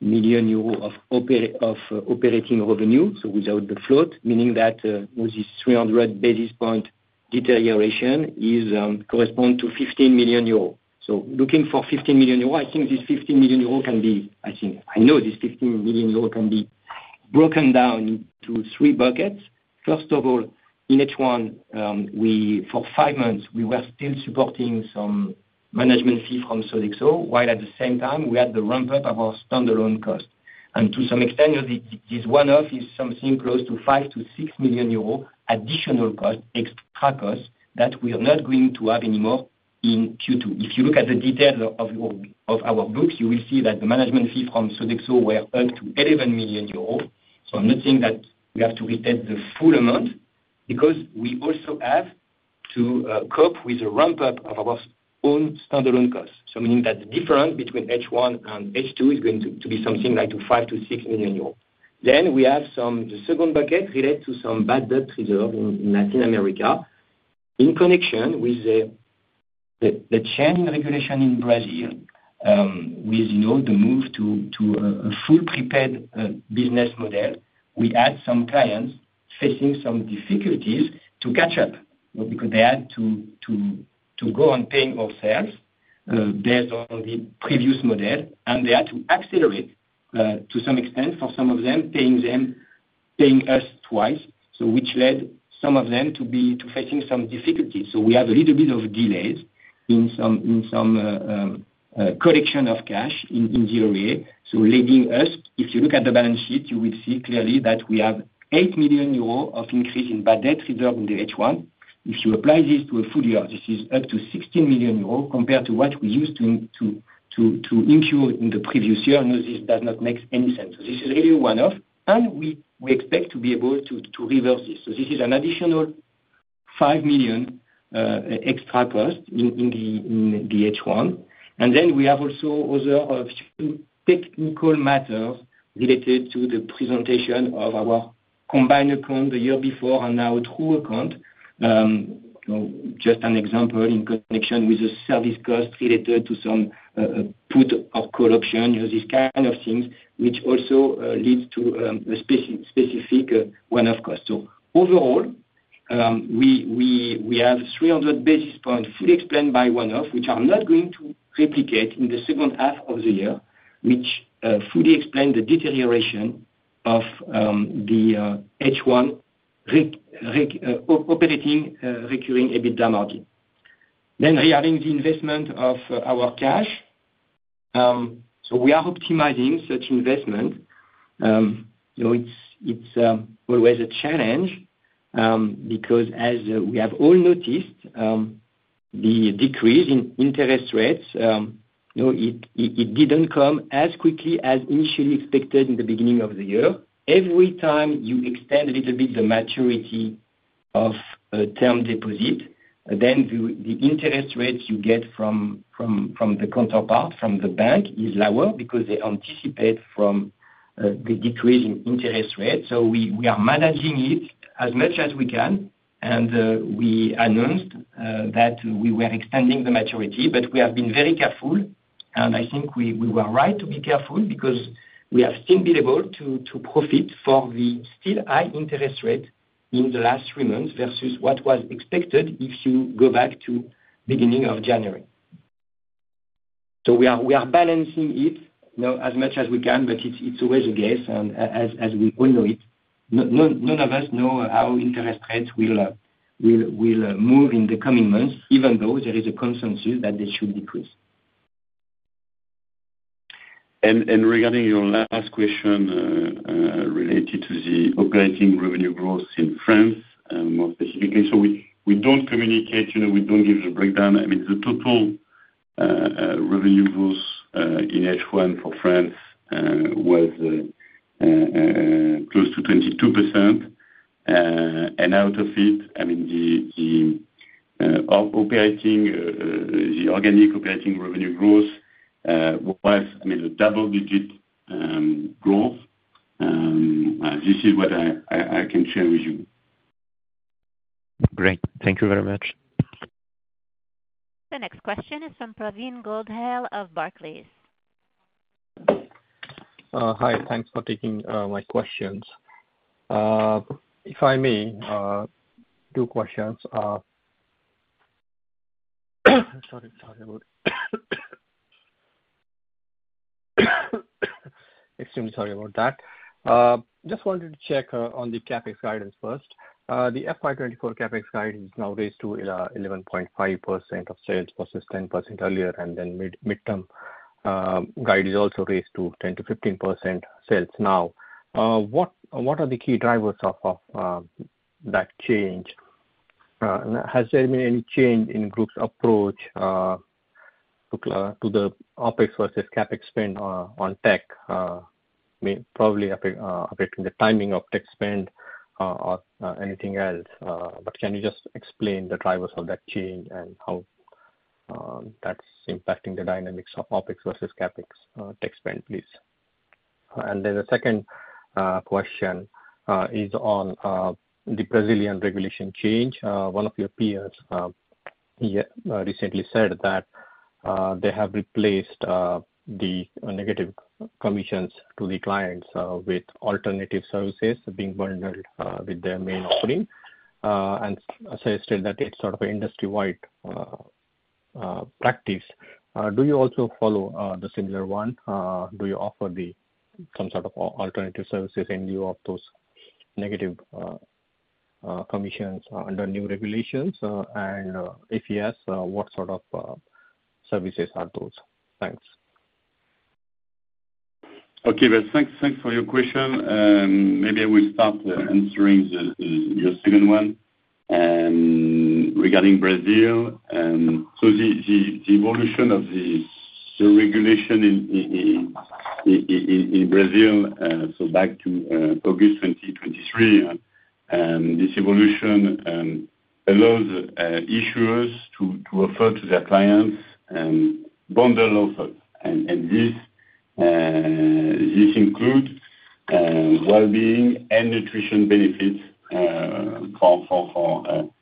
million euros of operating revenue, so without the float, meaning that this 300 basis point deterioration corresponds to 15 million euros. So looking for 15 million euros, I think this 15 million euros can be I think I know this 15 million euros can be broken down into three buckets. First of all, in H1, for five months, we were still supporting some management fee from Sodexo, while at the same time, we had the ramp-up of our standalone cost. To some extent, this one-off is something close to 5 million-6 million euros additional cost, extra cost, that we are not going to have anymore in Q2. If you look at the details of our books, you will see that the management fee from Sodexo were up to 11 million euros. So I'm not saying that we have to reset the full amount because we also have to cope with the ramp-up of our own standalone costs. So meaning that the difference between H1 and H2 is going to be something like 5 million-6 million euros. Then we have the second bucket related to some bad debt reserve in Latin America in connection with the change in regulation in Brazil with the move to a full prepaid business model. We had some clients facing some difficulties to catch up because they had to go and pay ourselves based on the previous model. They had to accelerate to some extent for some of them, paying us twice, which led some of them to facing some difficulties. We have a little bit of delays in some collection of cash in the A/R. If you look at the balance sheet, you will see clearly that we have 8 million euros of increase in bad debt reserve in the H1. If you apply this to a full year, this is up to 16 million euros compared to what we used to incur in the previous year. Now, this does not make any sense. This is really a one-off. We expect to be able to reverse this. This is an additional 5 million extra cost in the H1. Then we have also other technical matters related to the presentation of our combined account the year before and now two accounts. Just an example in connection with the service costs related to some put or call option, these kind of things, which also leads to a specific one-off cost. Overall, we have 300 basis points fully explained by one-off, which are not going to replicate in the second half of the year, which fully explain the deterioration of the H1 operating recurring EBITDA margin. Regarding the investment of our cash, we are optimizing such investment. It's always a challenge because, as we have all noticed, the decrease in interest rates, it didn't come as quickly as initially expected in the beginning of the year. Every time you extend a little bit the maturity of a term deposit, then the interest rates you get from the counterpart, from the bank, is lower because they anticipate the decrease in interest rates. So we are managing it as much as we can. And we announced that we were extending the maturity. But we have been very careful. And I think we were right to be careful because we have still been able to profit for the still high interest rate in the last three months versus what was expected if you go back to beginning of January. So we are balancing it as much as we can. But it's always a guess. And as we all know it, none of us know how interest rates will move in the coming months, even though there is a consensus that they should decrease. Regarding your last question related to the operating revenue growth in France, more specifically, so we don't communicate we don't give the breakdown. I mean, the total revenue growth in H1 for France was close to 22%. Out of it, I mean, the organic operating revenue growth was, I mean, a double-digit growth. This is what I can share with you. Great. Thank you very much. The next question is from Pravin Gondhale of Barclays. Hi. Thanks for taking my questions. If I may, 2 questions. Sorry. Sorry about it. Extremely sorry about that. Just wanted to check on the CapEx guidance first. The FY 2024 CapEx guide is now raised to 11.5% of sales versus 10% earlier. And then midterm guide is also raised to 10%-15% sales now. What are the key drivers of that change? Has there been any change in group's approach to the OpEx versus CapEx spend on tech, probably affecting the timing of tech spend or anything else? But can you just explain the drivers of that change and how that's impacting the dynamics of OpEx versus CapEx tech spend, please? And then the second question is on the Brazilian regulation change. One of your peers recently said that they have replaced the negative commissions to the clients with alternative services being bundled with their main offering and suggested that it's sort of an industry-wide practice. Do you also follow the similar one? Do you offer some sort of alternative services in lieu of those negative commissions under new regulations? And if yes, what sort of services are those? Thanks. Okay. Thanks for your question. Maybe I will start answering your second one regarding Brazil. So the evolution of the regulation in Brazil, so back to August 2023, this evolution allows issuers to offer to their clients bundle offers. And this includes well-being and nutrition benefits for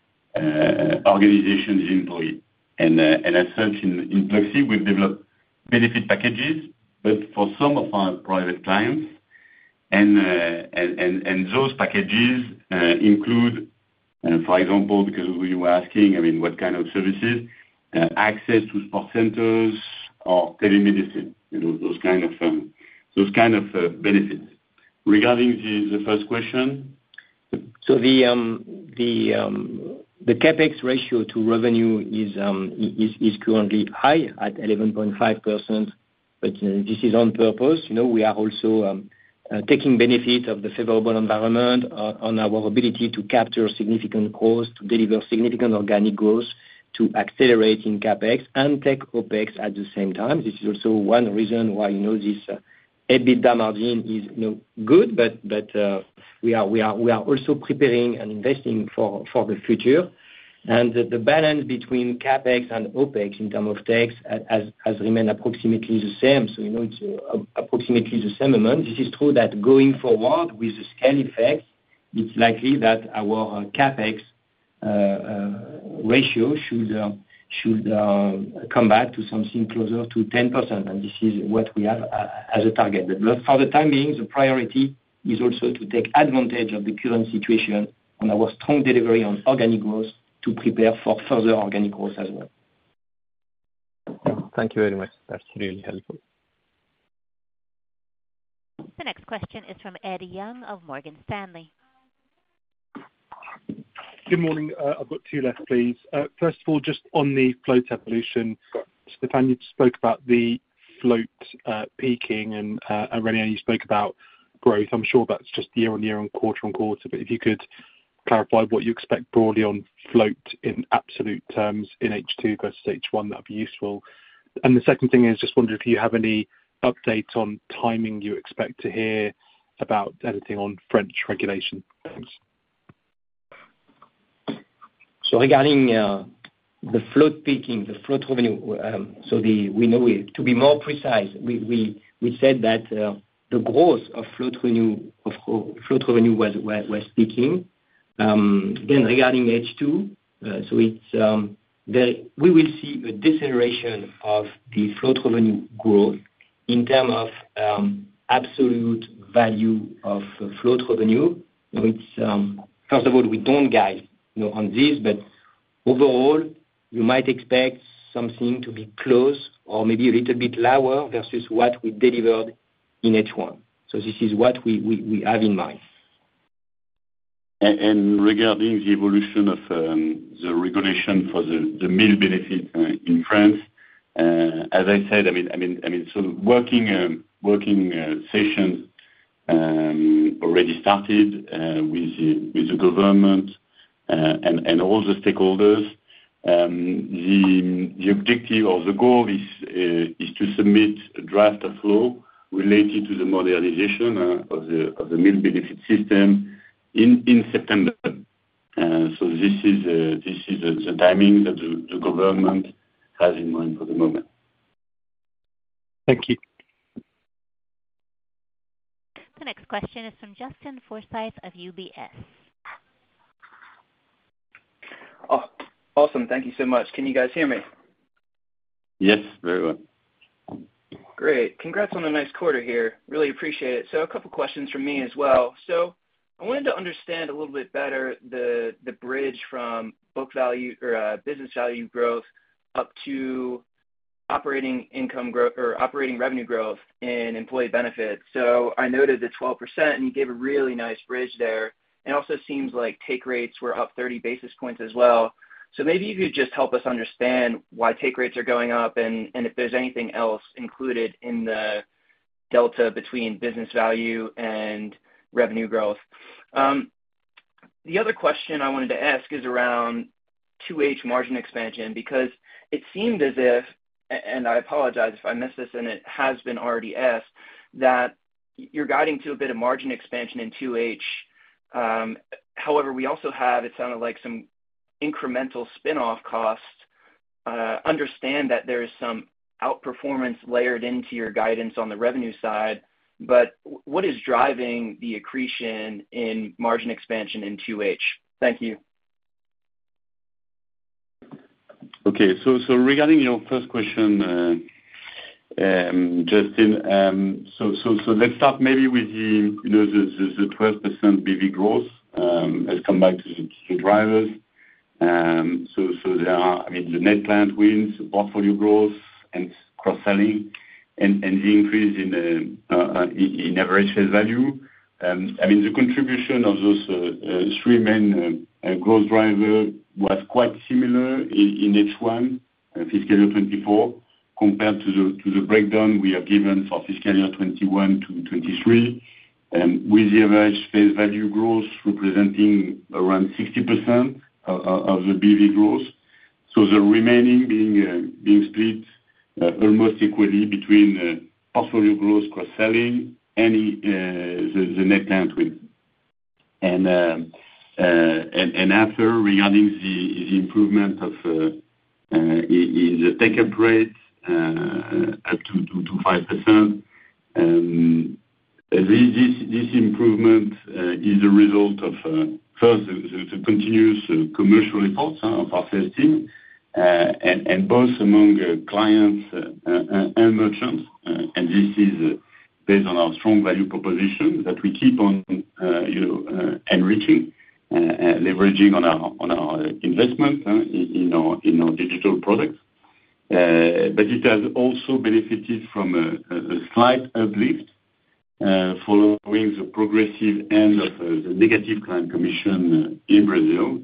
organizations' employees. And as such, in Pluxee, we develop benefit packages. But for some of our private clients, and those packages include, for example, because you were asking, I mean, what kind of services, access to sport centers or telemedicine, those kind of benefits. Regarding the first question. The CapEx ratio to revenue is currently high at 11.5%. This is on purpose. We are also taking benefit of the favorable environment on our ability to capture significant growth, to deliver significant organic growth, to accelerate in CapEx and tech OpEx at the same time. This is also one reason why this EBITDA margin is good. We are also preparing and investing for the future. The balance between CapEx and OpEx in terms of tech has remained approximately the same. It's approximately the same amount. It's true that going forward with the scale effect, it's likely that our CapEx ratio should come back to something closer to 10%. This is what we have as a target. For the time being, the priority is also to take advantage of the current situation on our strong delivery on organic growth to prepare for further organic growth as well. Thank you very much. That's really helpful. The next question is from Ed Young of Morgan Stanley. Good morning. I've got two left, please. First of all, just on the float evolution, Stéphane, you spoke about the float peaking. And Aurélien, you spoke about growth. I'm sure that's just year-on-year and quarter-on-quarter. But if you could clarify what you expect broadly on float in absolute terms in H2 versus H1, that would be useful. And the second thing is, just wondered if you have any update on timing you expect to hear about anything on French regulation. Thanks. Regarding the float peaking, the float revenue, so we know to be more precise, we said that the growth of float revenue was peaking. Again, regarding H2, so we will see a deceleration of the float revenue growth in terms of absolute value of float revenue. First of all, we don't guide on this. Overall, you might expect something to be close or maybe a little bit lower versus what we delivered in H1. This is what we have in mind. Regarding the evolution of the regulation for the meal benefits in France, as I said, I mean, so working sessions already started with the government and all the stakeholders. The objective or the goal is to submit a draft of law related to the modernization of the meal benefit system in September. So this is the timing that the government has in mind for the moment. Thank you. The next question is from Justin Forsythe of UBS. Awesome. Thank you so much. Can you guys hear me? Yes, very well. Great. Congrats on a nice quarter here. Really appreciate it. So a couple of questions from me as well. So I wanted to understand a little bit better the bridge from book value or business value growth up to operating income or operating revenue growth in employee benefits. So I noted the 12%, and you gave a really nice bridge there. And also seems like take rates were up 30 basis points as well. So maybe you could just help us understand why take rates are going up and if there's anything else included in the delta between business value and revenue growth. The other question I wanted to ask is around 2H margin expansion because it seemed as if, and I apologize if I missed this and it has been already asked, that you're guiding to a bit of margin expansion in 2H. However, we also have, it sounded like, some incremental spinoff costs. Understand that there is some outperformance layered into your guidance on the revenue side. But what is driving the accretion in margin expansion in 2H? Thank you. Okay. So regarding your first question, Justin, so let's start maybe with the 12% BV growth. Let's come back to the drivers. So there are, I mean, the net new wins, portfolio growth, and cross-selling, and the increase in average face value. I mean, the contribution of those three main growth drivers was quite similar in H1 fiscal year 2024, compared to the breakdown we have given for fiscal year 2021 to 2023 with the average face value growth representing around 60% of the BV growth. So the remaining being split almost equally between portfolio growth, cross-selling, and the net new wins. And after, regarding the improvement in the take-up rate up to 25%, this improvement is the result of, first, the continuous commercial efforts of our sales team and both among clients and merchants. This is based on our strong value proposition that we keep on enriching, leveraging on our investment in our digital products. It has also benefited from a slight uplift following the progressive end of the negative client commission in Brazil.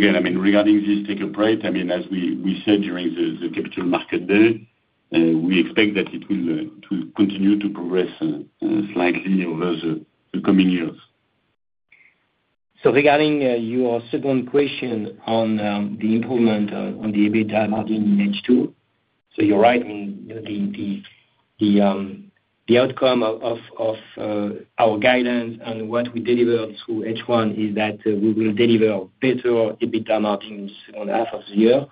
Again, I mean, regarding this take-up rate, I mean, as we said during the Capital Markets Day, we expect that it will continue to progress slightly over the coming years. So, regarding your second question on the improvement on the EBITDA margin in H2, so you're right. I mean, the outcome of our guidance and what we delivered through H1 is that we will deliver better EBITDA margins on the half of the year,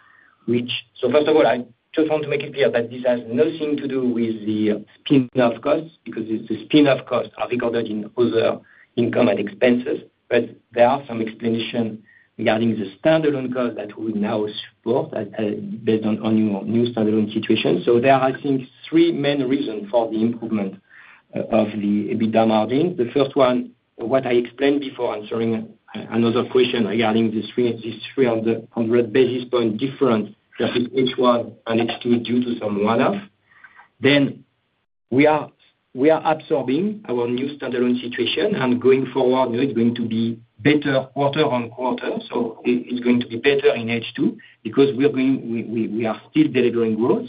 which so first of all, I just want to make it clear that this has nothing to do with the spinoff costs because the spinoff costs are recorded in other income and expenses. But there are some explanations regarding the standalone cost that we now support based on new standalone situations. So there are, I think, three main reasons for the improvement of the EBITDA margin. The first one, what I explained before answering another question regarding the 300 basis points difference versus H1 and H2 due to some one-off, then we are absorbing our new standalone situation. Going forward, it's going to be better quarter on quarter. It's going to be better in H2 because we are still delivering growth.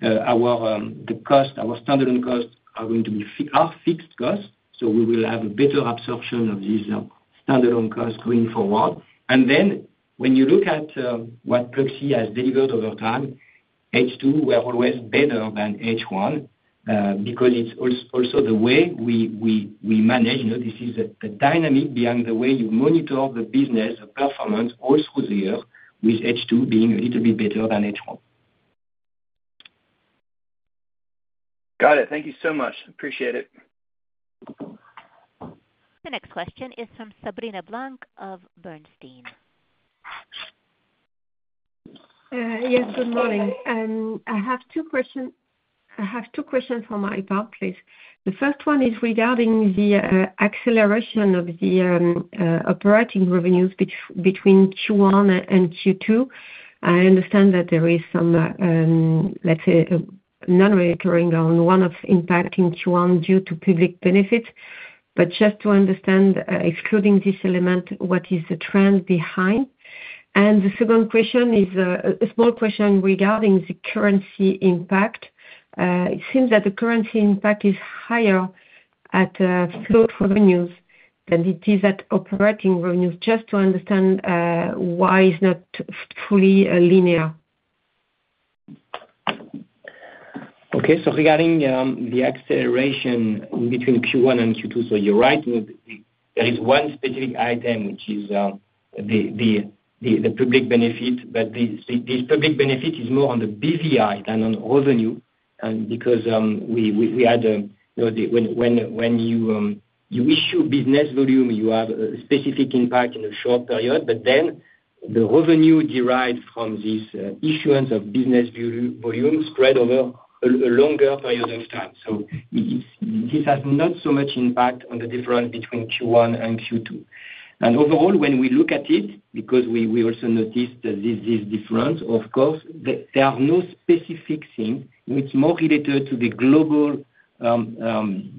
The standalone costs are going to be our fixed costs. We will have a better absorption of these standalone costs going forward. Then when you look at what Pluxee has delivered over time, H2 were always better than H1 because it's also the way we manage. This is the dynamic behind the way you monitor the business, the performance all through the year with H2 being a little bit better than H1. Got it. Thank you so much. Appreciate it. The next question is from Sabrina Blanc of Bernstein. Yes. Good morning. I have two questions. I have two questions for my part, please. The first one is regarding the acceleration of the operating revenues between Q1 and Q2. I understand that there is some, let's say, non-recurring or one-off impact in Q1 due to public benefits. But just to understand, excluding this element, what is the trend behind? And the second question is a small question regarding the currency impact. It seems that the currency impact is higher at float revenues than it is at operating revenues. Just to understand why it's not fully linear. Okay. So regarding the acceleration in between Q1 and Q2, so you're right. There is one specific item, which is the public benefit. But this public benefit is more on the BVI than on revenue because we had when you issue business volume, you have a specific impact in a short period. But then the revenue derived from this issuance of business volume spread over a longer period of time. So this has not so much impact on the difference between Q1 and Q2. And overall, when we look at it because we also noticed this difference, of course, there are no specific things. It's more related to the global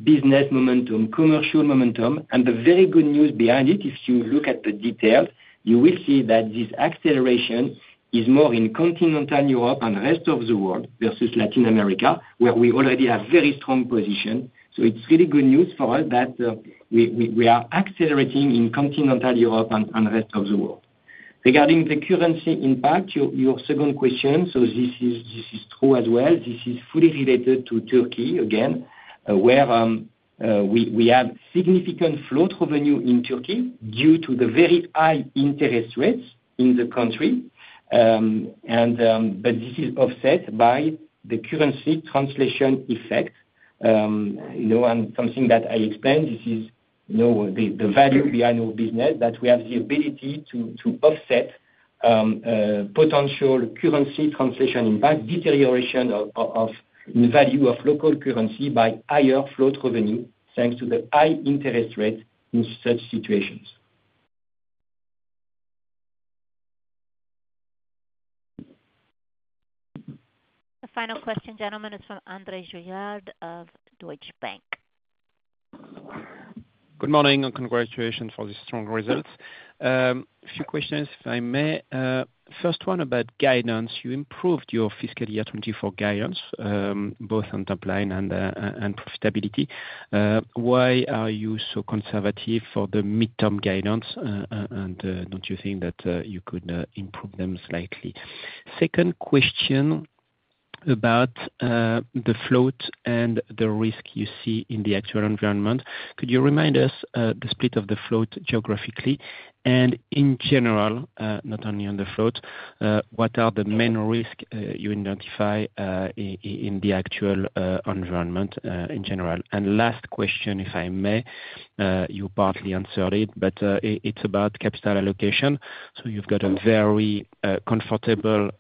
business momentum, commercial momentum. The very good news behind it, if you look at the details, you will see that this acceleration is more in Continental Europe and the rest of the world versus Latin America, where we already have very strong position. So it's really good news for us that we are accelerating in Continental Europe and the rest of the world. Regarding the currency impact, your second question, so this is true as well. This is fully related to Turkey, again, where we have significant float revenue in Turkey due to the very high interest rates in the country. But this is offset by the currency translation effect. And something that I explained, this is the value behind our business that we have the ability to offset potential currency translation impact, deterioration in value of local currency by higher float revenue thanks to the high interest rate in such situations. The final question, gentlemen, is from André Juillard of Deutsche Bank. Good morning and congratulations for the strong results. A few questions, if I may. First one about guidance. You improved your fiscal year 2024 guidance, both on timeline and profitability. Why are you so conservative for the midterm guidance? And don't you think that you could improve them slightly? Second question about the float and the risk you see in the actual environment. Could you remind us the split of the float geographically? And in general, not only on the float, what are the main risks you identify in the actual environment in general? And last question, if I may. You partly answered it, but it's about capital allocation. So you've got a very comfortable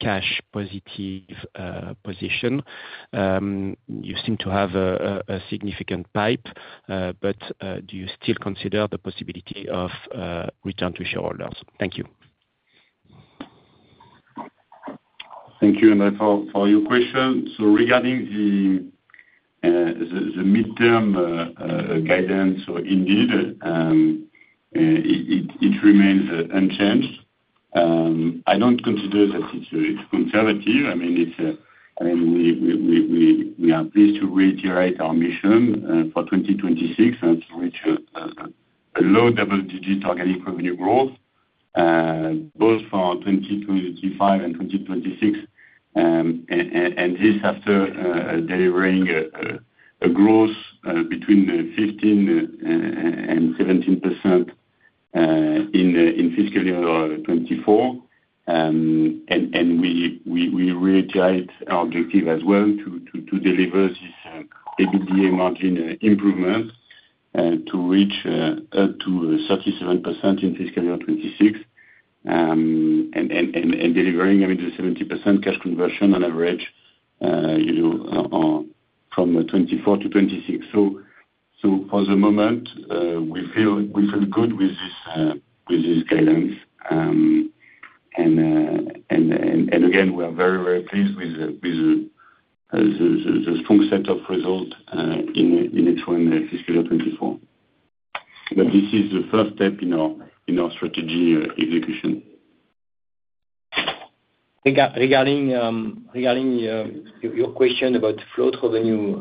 cash-positive position. You seem to have a significant pipe. But do you still consider the possibility of return to shareholders? Thank you. Thank you, André, for your question. So regarding the midterm guidance, so indeed, it remains unchanged. I don't consider that it's conservative. I mean, we are pleased to reiterate our mission for 2026 and to reach a low double-digit organic revenue growth both for 2025 and 2026. And this after delivering a growth between 15%-17% in fiscal year 2024. And we reiterate our objective as well to deliver this EBITDA margin improvement to reach up to 37% in fiscal year 2026 and delivering, I mean, the 70% cash conversion on average from 2024 to 2026. So for the moment, we feel good with this guidance. And again, we are very, very pleased with the strong set of results in H1 fiscal year 2024. But this is the first step in our strategy execution. Regarding your question about float revenue,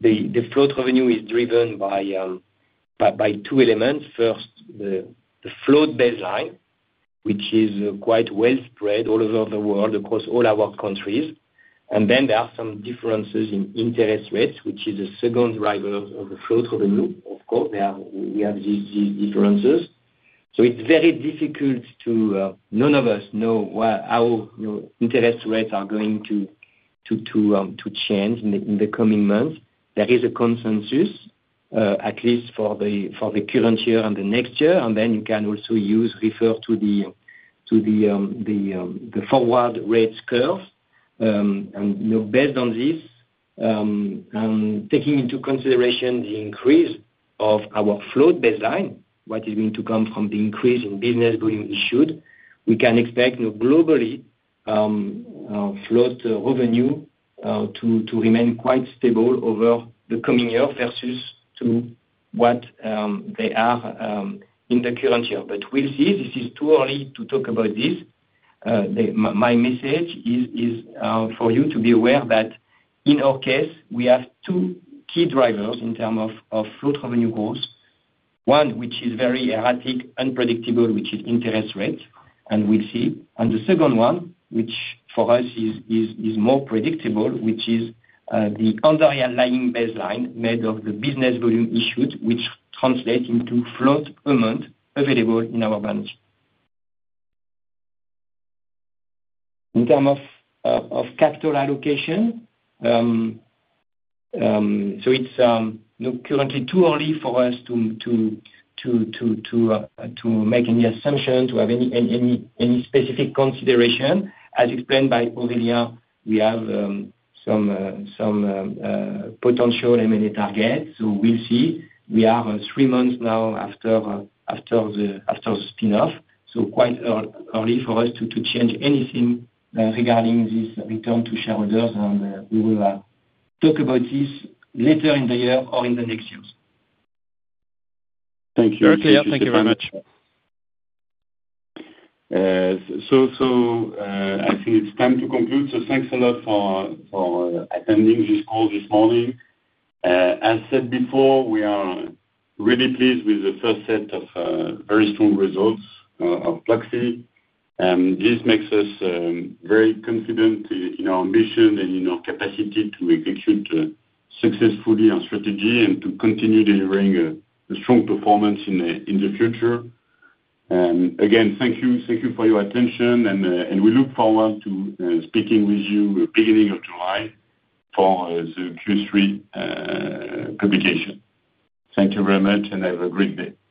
the float revenue is driven by two elements. First, the float baseline, which is quite well spread all over the world across all our countries. And then there are some differences in interest rates, which is the second driver of the float revenue. Of course, we have these differences. So it's very difficult. None of us know how interest rates are going to change in the coming months. There is a consensus, at least for the current year and the next year. And then you can also refer to the forward rate curve. And based on this and taking into consideration the increase of our float baseline, what is going to come from the increase in business volume issued, we can expect globally float revenue to remain quite stable over the coming year versus what they are in the current year. But we'll see. This is too early to talk about this. My message is for you to be aware that, in our case, we have two key drivers in terms of float revenue growth. One, which is very erratic, unpredictable, which is interest rates. And we'll see. And the second one, which for us is more predictable, which is the underlying baseline made of the business volume issued, which translates into float amount available in our balance sheet. In terms of capital allocation, so it's currently too early for us to make any assumption, to have any specific consideration. As explained by Aurélien, we have some potential M&A targets. So we'll see. We are three months now after the spinoff. So quite early for us to change anything regarding this return to shareholders. And we will talk about this later in the year or in the next years. Thank you. Thank you very much. I think it's time to conclude. Thanks a lot for attending this call this morning. As said before, we are really pleased with the first set of very strong results of Pluxee. This makes us very confident in our ambition and in our capacity to execute successfully our strategy and to continue delivering a strong performance in the future. Again, thank you. Thank you for your attention. We look forward to speaking with you beginning of July for the Q3 publication. Thank you very much. Have a great day.